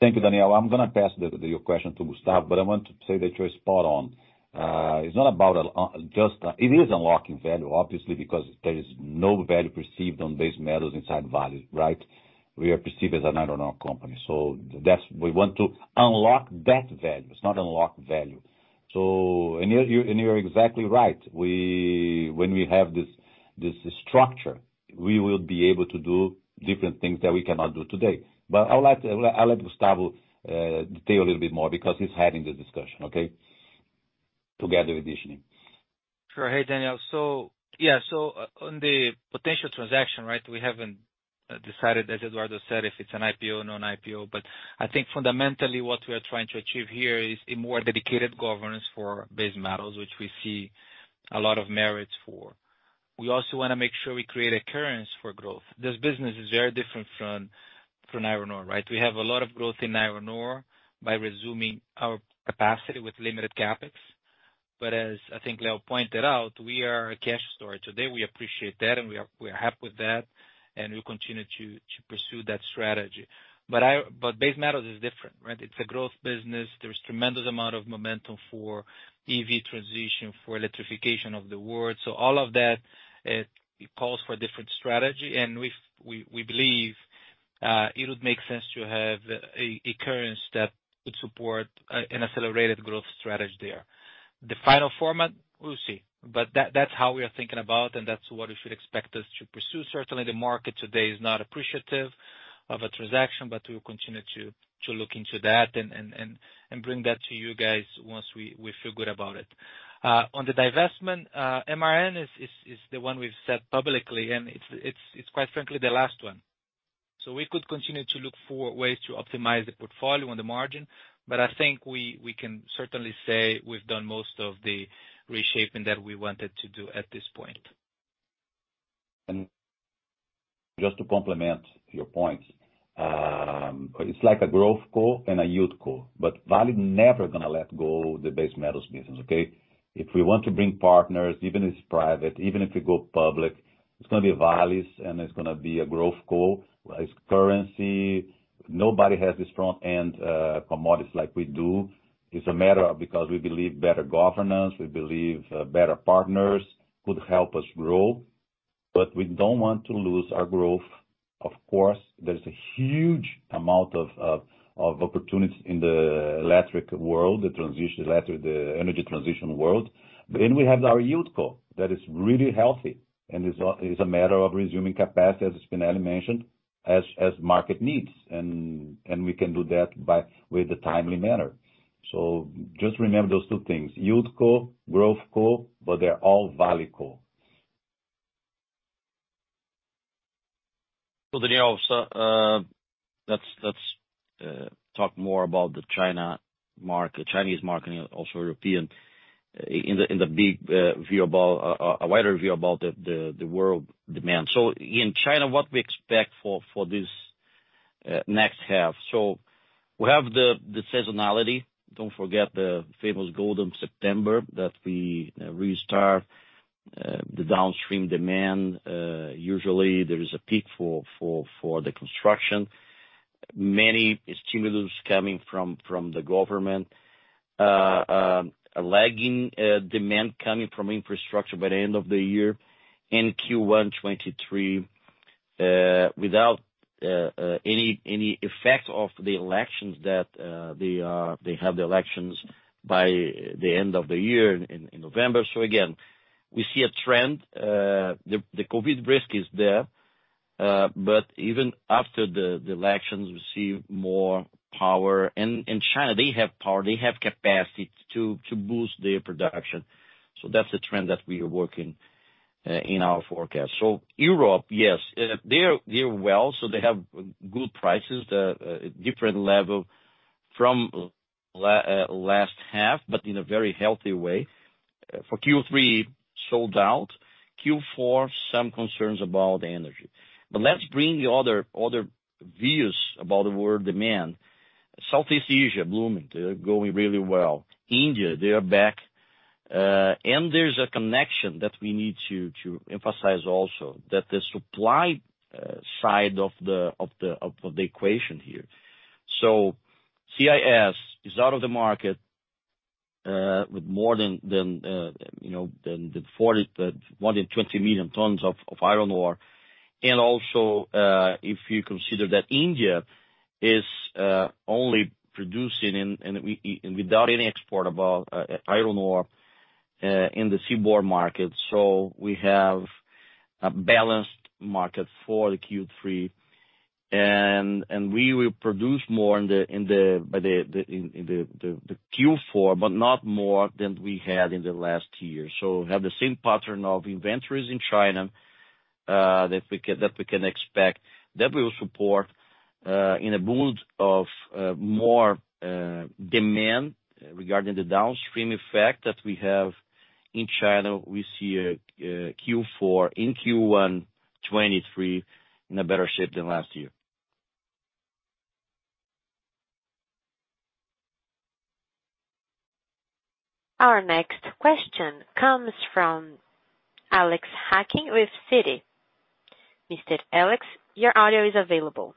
Thank you, Daniel. I'm gonna pass your question to Gustavo, but I want to say that you're spot on. It is unlocking value, obviously, because there is no value perceived on base metals inside Vale, right? We are perceived as an iron ore company. We want to unlock that value. It's not unlock value. You're exactly right. When we have this structure, we will be able to do different things that we cannot do today. I'll let Gustavo detail a little bit more because he's having the discussion, okay, together with Deshnee. Sure. Hey, Daniel. On the potential transaction, right, we haven't decided, as Eduardo said, if it's an IPO, non-IPO. I think fundamentally what we are trying to achieve here is a more dedicated governance for base metals, which we see a lot of merits for. We also wanna make sure we create opportunity for growth. This business is very different from iron ore, right? We have a lot of growth in iron ore by resuming our capacity with limited CapEx. As I think Leo pointed out, we are cash short today. We appreciate that, and we are happy with that, and we'll continue to pursue that strategy. Base metals is different, right? It's a growth business. There's tremendous amount of momentum for EV transition, for electrification of the world. All of that, it calls for a different strategy. We believe it would make sense to have an acquisition that would support an accelerated growth strategy there. The final format, we'll see. That's how we are thinking about, and that's what you should expect us to pursue. Certainly the market today is not appreciative of a transaction, but we'll continue to look into that and bring that to you guys once we feel good about it. On the divestment, MRN is the one we've said publicly, and it's quite frankly the last one. We could continue to look for ways to optimize the portfolio on the margin. I think we can certainly say we've done most of the reshaping that we wanted to do at this point. Just to complement your points, it's like a growth core and a yield core, but Vale never gonna let go the base metals business, okay? If we want to bring partners, even it's private, even if we go public, it's gonna be Vale's, and it's gonna be a growth core as currency. Nobody has a strong hand in commodities like we do. It's a matter of because we believe better governance, we believe, better partners could help us grow. But we don't want to lose our growth. Of course, there is a huge amount of opportunities in the electric world, the transition electric, the energy transition world. We have our yield core that is really healthy, and it's a matter of resuming capacity, as Spinelli mentioned, as market needs. We can do that with a timely manner. Just remember those two things, yield core, growth core, but they're all Vale core. Daniel, let's talk more about the China market, Chinese market and also Europe in the big view about a wider view about the world demand. In China, what we expect for this next half. We have the seasonality. Don't forget the famous Golden September that we restart the downstream demand. Usually there is a peak for the construction. Many stimulus coming from the government. A lagging demand coming from infrastructure by the end of the year in Q1 2023, without any effect of the elections that they have the elections by the end of the year in November. Again, we see a trend. The COVID risk is there. Even after the elections, we see more power. In China, they have power, they have capacity to boost their production. That's the trend that we are working in our forecast. Europe, yes, they're well. They have good prices, different level from last half, but in a very healthy way. For Q3, sold out. Q4, some concerns about the energy. Let's bring the other views about the world demand. Southeast Asia blooming, they're going really well. India, they are back. There's a connection that we need to emphasize also that the supply side of the equation here. CIS is out of the market with more than 20 million tons of iron ore. Also, if you consider that India is only producing and without any export of iron ore in the seaborne market. We have a balanced market for the Q3. We will produce more in the Q4, but not more than we had in the last year. We have the same pattern of inventories in China that we can expect that will support in a boom of more demand regarding the downstream effect that we have in China. We see a Q4 in Q1 2023 in a better shape than last year. Our next question comes from Alex Hacking with Citi. Mr. Alex, your audio is available.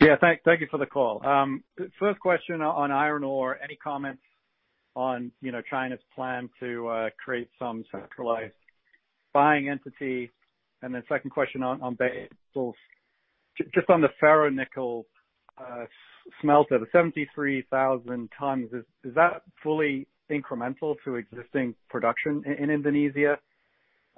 Yeah. Thank you for the call. First question on iron ore. Any comments on, you know, China's plan to create some centralized buying entity? Second question on base metals. Just on the ferronickel smelter, the 73,000 tons, is that fully incremental to existing production in Indonesia?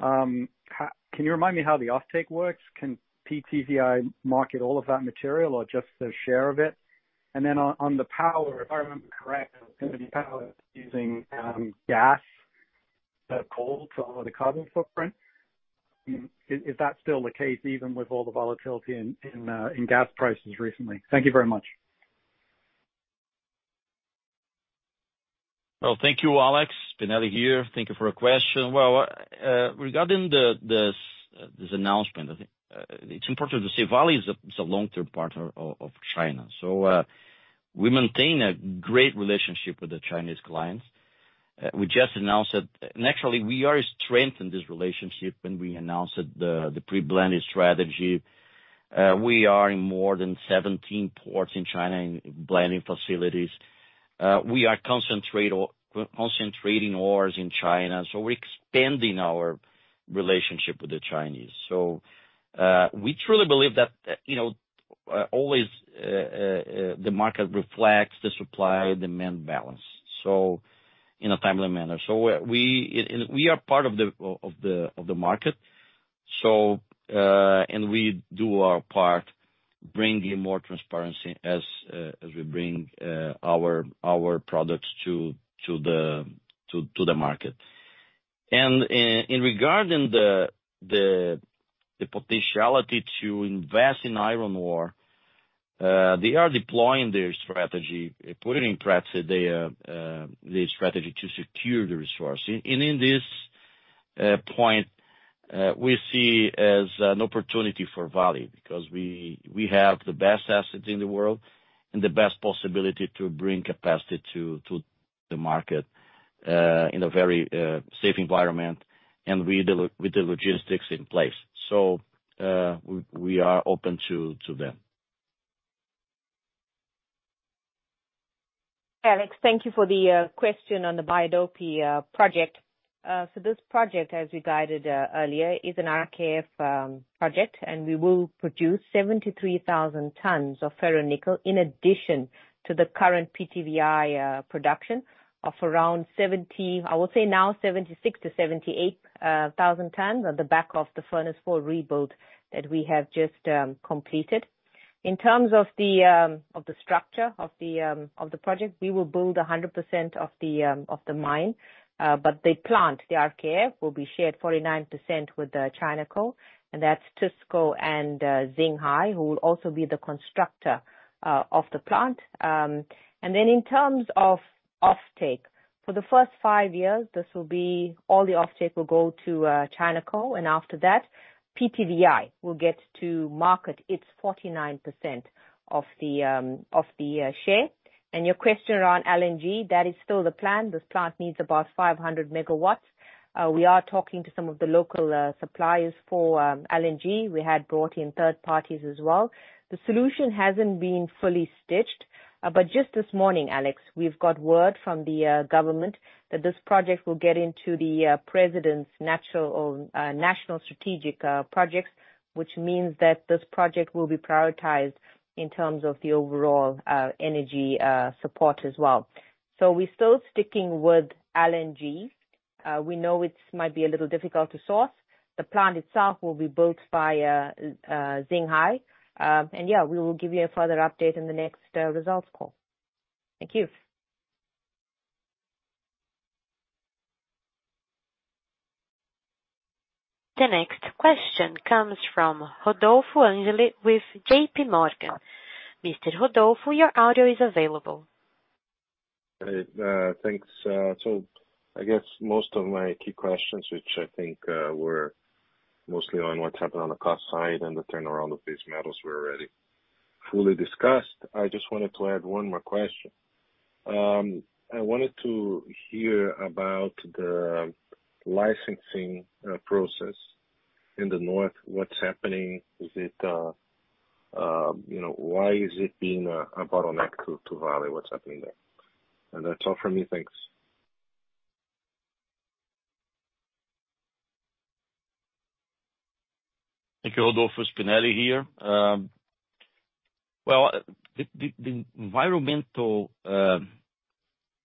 Can you remind me how the offtake works? Can PTVI market all of that material or just a share of it? On the power, if I remember correct, it was gonna be power using gas, coal to lower the carbon footprint. Is that still the case, even with all the volatility in gas prices recently? Thank you very much. Well, thank you Alex. Spinelli here. Thank you for your question. Well, regarding this announcement, I think it's important to say Vale is a long-term partner of China. We maintain a great relationship with the Chinese clients. We just announced that, and actually we are strengthening this relationship when we announced that the pre-blending strategy. We are in more than 17 ports in China and blending facilities. We are concentrating ores in China, so we're expanding our relationship with the Chinese. We truly believe that, you know, always the market reflects the supply/demand balance, so in a timely manner. We are part of the market. We do our part bringing more transparency as we bring our products to the market. In regard to the potentiality to invest in iron ore, they are deploying their strategy, putting in practice their strategy to secure the resource. In this point, we see as an opportunity for Vale because we have the best assets in the world and the best possibility to bring capacity to the market in a very safe environment and with the logistics in place. We are open to them. Alex, thank you for the question on the Bahodopi project. This project, as we guided earlier, is an RKEF project, and we will produce 73,000 tons of ferronickel in addition to the current PTVI production of around 70, I would say now 76,000 tons-78,000 tons on the back of the Furnace 4 rebuild that we have just completed. In terms of the structure of the project, we will build 100% of the mine. The plant, the RKEF, will be shared 49% with the Chinalco, and that's TISCO and Xinhai, who will also be the constructor of the plant. In terms of offtake, for the first five years all the offtake will go to Chinalco, and after that PTVI will get to market its 49% of the share. Your question around LNG, that is still the plan. This plant needs about 500 megawatts. We are talking to some of the local suppliers for LNG. We had brought in third parties as well. The solution hasn't been fully stitched, but just this morning, Alex, we've got word from the government that this project will get into the president's national strategic projects, which means that this project will be prioritized in terms of the overall energy support as well. We're still sticking with LNG. We know it might be a little difficult to source. The plant itself will be built by Xinhai. Yeah, we will give you a further update in the next results call. Thank you. The next question comes from Rodolfo Angele with JPMorgan. Mr. Rodolfo, your audio is available. All right. Thanks. I guess most of my key questions, which I think were mostly on what's happened on the cost side and the turnaround of base metals were already fully discussed. I just wanted to add one more question. I wanted to hear about the licensing process in the North. What's happening? Is it, you know, why is it being a bottleneck to Vale? What's happening there? That's all from me. Thanks. Thank you Rodolfo, Spinelli here. The environmental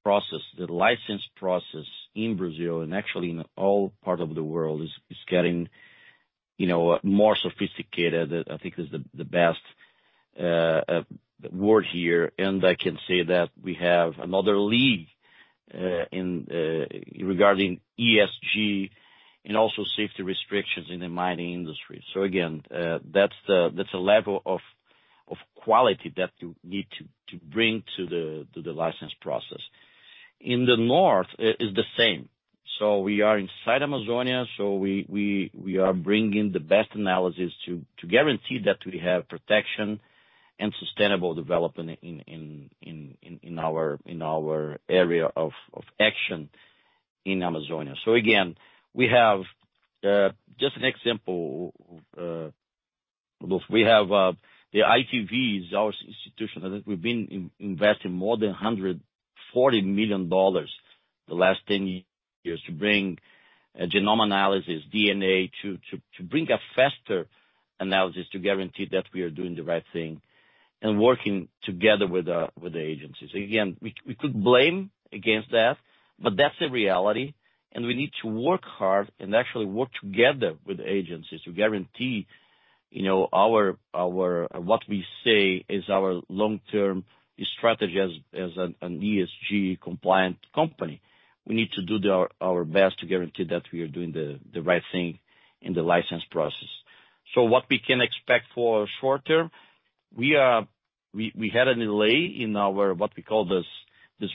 process, the license process in Brazil and actually in all parts of the world is getting, you know, more sophisticated. I think that's the best word here. I can say that we have another lead regarding ESG and also safety restrictions in the mining industry. That's a level of quality that you need to bring to the license process. In the North is the same. We are inside Amazonia, so we are bringing the best analysis to guarantee that we have protection and sustainable development in our area of action in Amazonia. Again, we have just an example, look, we have the ITV, our institution. I think we've been investing more than $140 million the last 10 years to bring a genome analysis, DNA, to bring a faster analysis to guarantee that we are doing the right thing and working together with the agencies. Again, we could blame against that, but that's the reality and we need to work hard and actually work together with agencies to guarantee, you know, our long-term strategy as an ESG compliant company. We need to do our best to guarantee that we are doing the right thing in the license process. What we can expect for short term, we had a delay in our, what we call this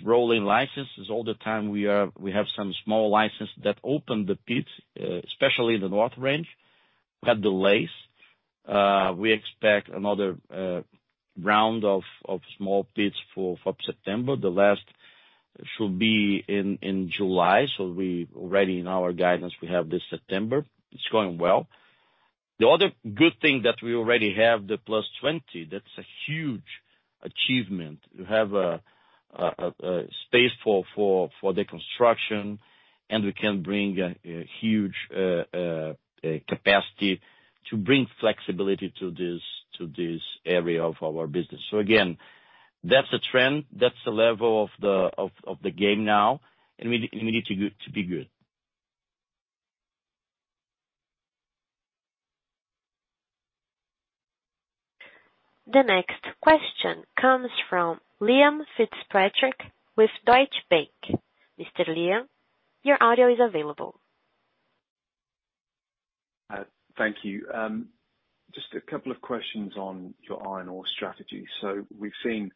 rolling licenses. All the time we have some small license that opened the pits, especially in the north range, had delays. We expect another round of small pits for September. The last should be in July. We already in our guidance, we have this September. It's going well. The other good thing that we already have the +20 that's a huge achievement. We have a space for the construction, and we can bring a huge capacity to bring flexibility to this area of our business. Again, that's a trend, that's the level of the game now, and we need to be good. The next question comes from Liam Fitzpatrick with Deutsche Bank. Mr. Liam, your audio is available. Thank you. Just a couple of questions on your iron ore strategy. We've seen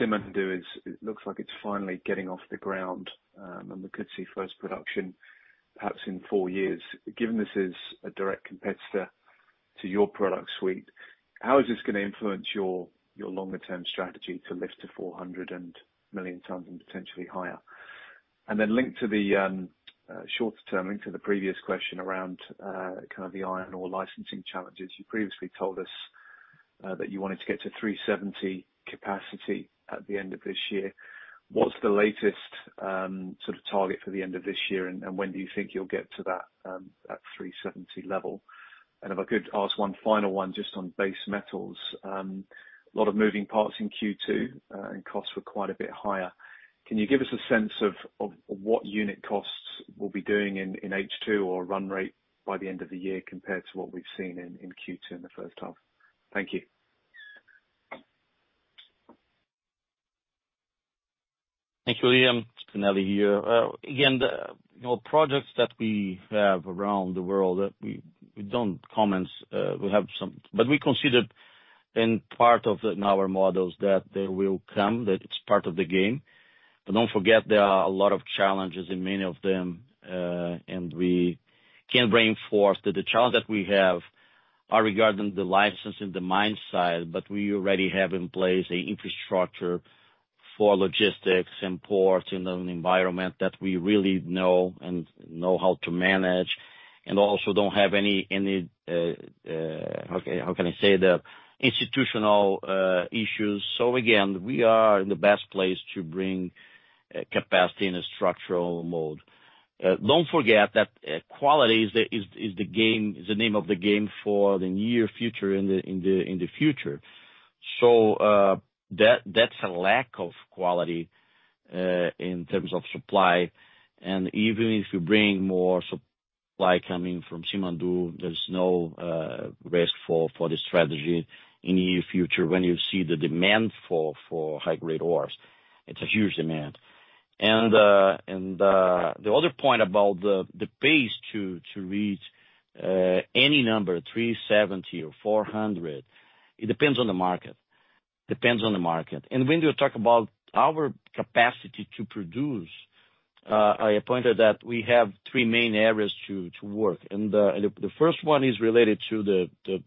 Simandou it looks like it's finally getting off the ground, and we could see first production perhaps in four years. Given this is a direct competitor to your product suite, how is this gonna influence your longer term strategy to lift to 400 million tons and potentially higher? Then linked to the shorter term, linked to the previous question around kind of the iron ore licensing challenges, you previously told us that you wanted to get to 370 capacity at the end of this year. What's the latest sort of target for the end of this year? And when do you think you'll get to that 370 level? If I could ask one final one just on base metals, a lot of moving parts in Q2, and costs were quite a bit higher. Can you give us a sense of what unit costs will be doing in H2 or run rate by the end of the year compared to what we've seen in Q2 in the first half? Thank you. Thank you, Liam. It's Spinelli here. Again, you know, projects that we have around the world that we don't comment. We consider in part of our models that they will come, that it's part of the game. Don't forget there are a lot of challenges in many of them, and we can reinforce that the challenge that we have are regarding the license and the mine side, but we already have in place a infrastructure for logistics and ports in an environment that we really know and know how to manage and also don't have any, how can I say, the institutional issues. Again, we are in the best place to bring capacity in a structural mode. Don't forget that quality is the name of the game for the near future, in the future. So that's a lack of quality in terms of supply. Even if you bring more supply coming from Simandou, there's no risk for the strategy in the near future when you see the demand for high-grade ores. It's a huge demand. The other point about the pace to reach any number, 370 or 400, it depends on the market. Depends on the market. When you talk about our capacity to produce, I pointed that we have three main areas to work. The first one is related to the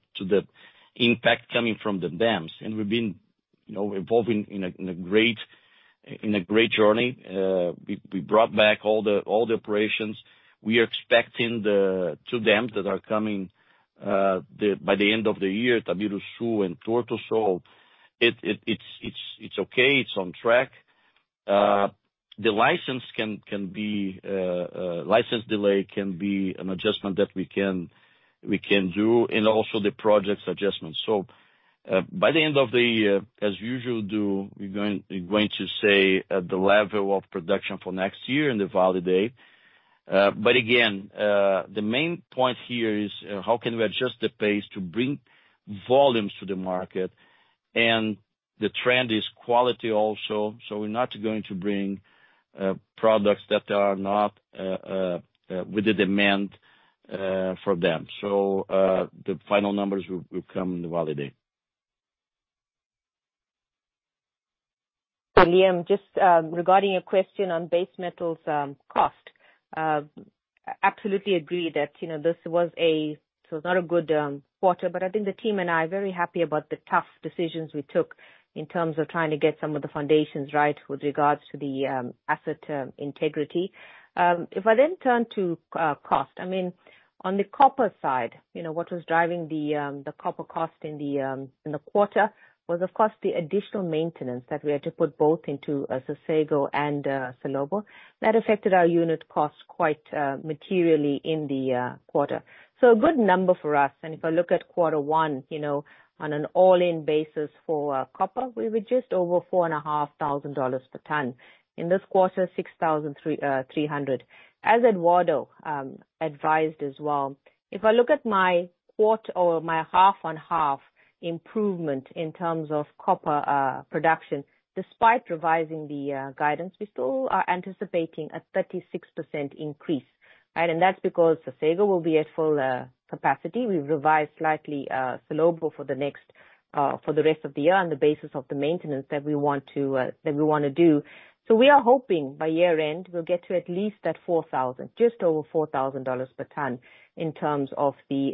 impact coming from the dams. We've been evolving in a great journey. We brought back all the operations. We are expecting the two dams that are coming by the end of the year, Itabiruçu and Torto. It's okay. It's on track. The license delay can be an adjustment that we can do and also the projects adjustments. By the end of the year, as usual, we're going to say the level of production for next year and the validate. The main point here is how can we adjust the pace to bring volumes to the market? The trend is quality also. We're not going to bring products that are not with the demand for them. The final numbers will come in the Vale update. Liam, just regarding a question on base metals cost. Absolutely agree that, you know, it's not a good quarter, but I think the team and I are very happy about the tough decisions we took in terms of trying to get some of the foundations right with regards to the asset integrity. If I then turn to cost, I mean, on the copper side, you know, what was driving the copper cost in the quarter was of course the additional maintenance that we had to put both into Sossego and Salobo. That affected our unit cost quite materially in the quarter. A good number for us. If I look at quarter one, you know, on an all-in basis for copper, we were just over $4,500 per ton. In this quarter, $6,300. As Eduardo advised as well, if I look at quarter-over-quarter or half-on-half improvement in terms of copper production, despite revising the guidance, we still are anticipating a 36% increase. Right. And that's because Sossego will be at full capacity. We've revised slightly Salobo for the next, for the rest of the year on the basis of the maintenance that we want to, that we wanna do. So we are hoping by year end, we'll get to at least that $4,000, just over $4,000 per ton in terms of the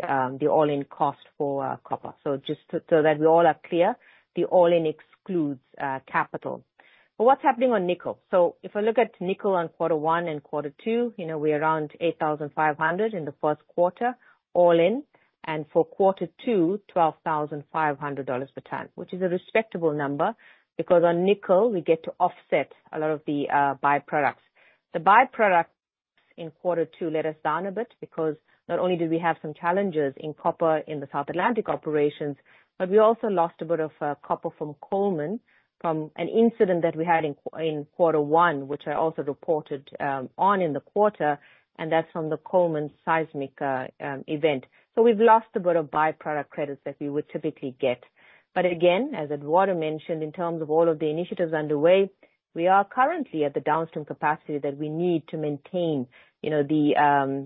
all-in cost for copper. Just so that we all are clear, the all-in excludes capital. But what's happening on nickel? If I look at nickel on quarter one and quarter two, you know, we're around $8,500 in the first quarter, all in. And for quarter two, $12,500 per ton, which is a respectable number because on nickel we get to offset a lot of the byproducts. The byproducts in quarter two let us down a bit because not only did we have some challenges in copper in the South Atlantic operations, but we also lost a bit of copper from Coleman from an incident that we had in quarter one, which I also reported on in the quarter, and that's from the Coleman seismic event. We've lost a bit of byproduct credits that we would typically get. Again, as Eduardo mentioned, in terms of all of the initiatives underway, we are currently at the downstream capacity that we need to maintain, you know, the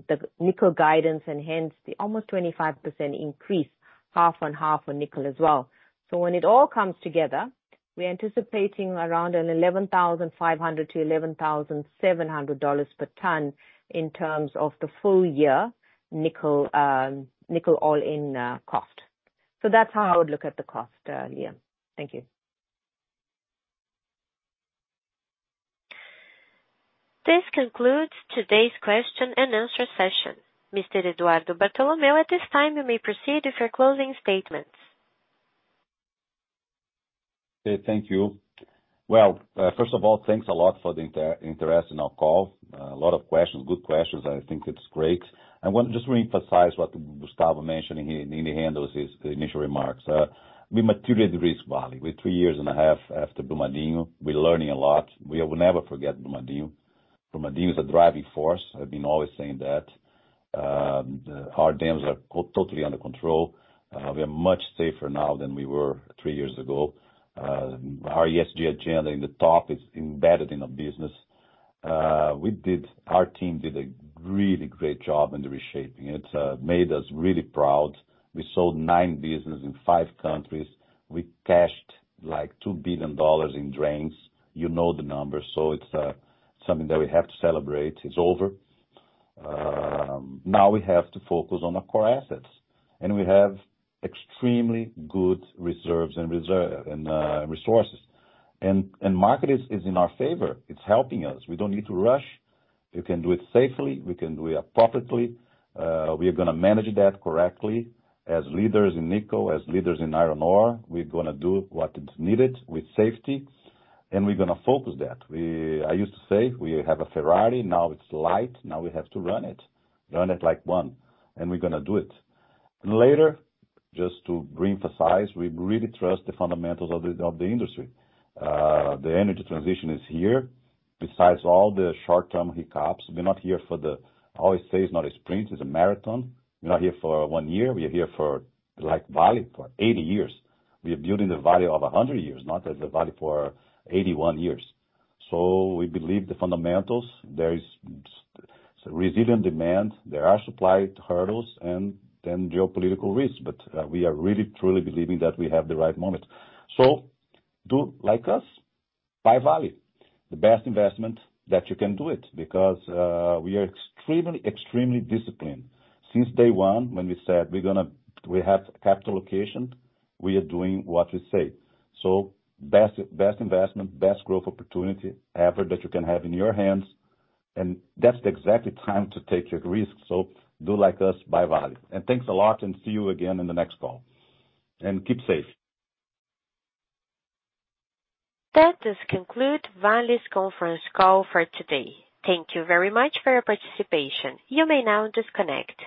the nickel guidance and hence the almost 25% increase, half-on-half on nickel as well. When it all comes together, we're anticipating around $11,500-$11,700 per ton in terms of the full year nickel nickel all-in cost. That's how I would look at the cost, Liam. Thank you. This concludes today's question and answer session. Mr. Eduardo Bartolomeo, at this time you may proceed with your closing statements. First of all, thanks a lot for the interest in our call. A lot of questions, good questions. I think it's great. I want to just reemphasize what Gustavo mentioned in his initial remarks. We matured the risk profile. We're 3.5 years after Brumadinho. We're learning a lot. We will never forget Brumadinho. Brumadinho is a driving force. I've been always saying that. Our dams are completely under control. We are much safer now than we were three years ago. Our ESG agenda at the top is embedded in our business. Our team did a really great job in the reshaping. It made us really proud. We sold nine businesses in five countries. We cashed, like, $2 billion in gains. You know the numbers, so it's something that we have to celebrate. It's over. Now we have to focus on the core assets, and we have extremely good reserves and resources. The market is in our favor. It's helping us. We don't need to rush. We can do it safely. We can do it properly. We are gonna manage that correctly as leaders in nickel, as leaders in iron ore. We're gonna do what's needed with safety, and we're gonna focus that. I used to say we have a Ferrari, now it's light, now we have to run it. Run it like one. We're gonna do it. Later, just to reemphasize, we really trust the fundamentals of the industry. The energy transition is here. Besides all the short-term hiccups, I always say it's not a sprint, it's a marathon. We're not here for one year. We are here for, like, Vale, for 80 years. We are building the value of 100 years, not just the value for 81 years. We believe the fundamentals. There is resilient demand. There are supply hurdles and then geopolitical risks. We are really truly believing that we have the right moment. Do like us, buy Vale, the best investment that you can do it because we are extremely disciplined. Since day one, when we said we have capital allocation, we are doing what we say. Best investment, best growth opportunity ever that you can have in your hands, and that's the exact time to take your risks. Do like us, buy Vale. Thanks a lot and see you again in the next call. Keep safe. That does conclude Vale's conference call for today. Thank you very much for your participation. You may now disconnect.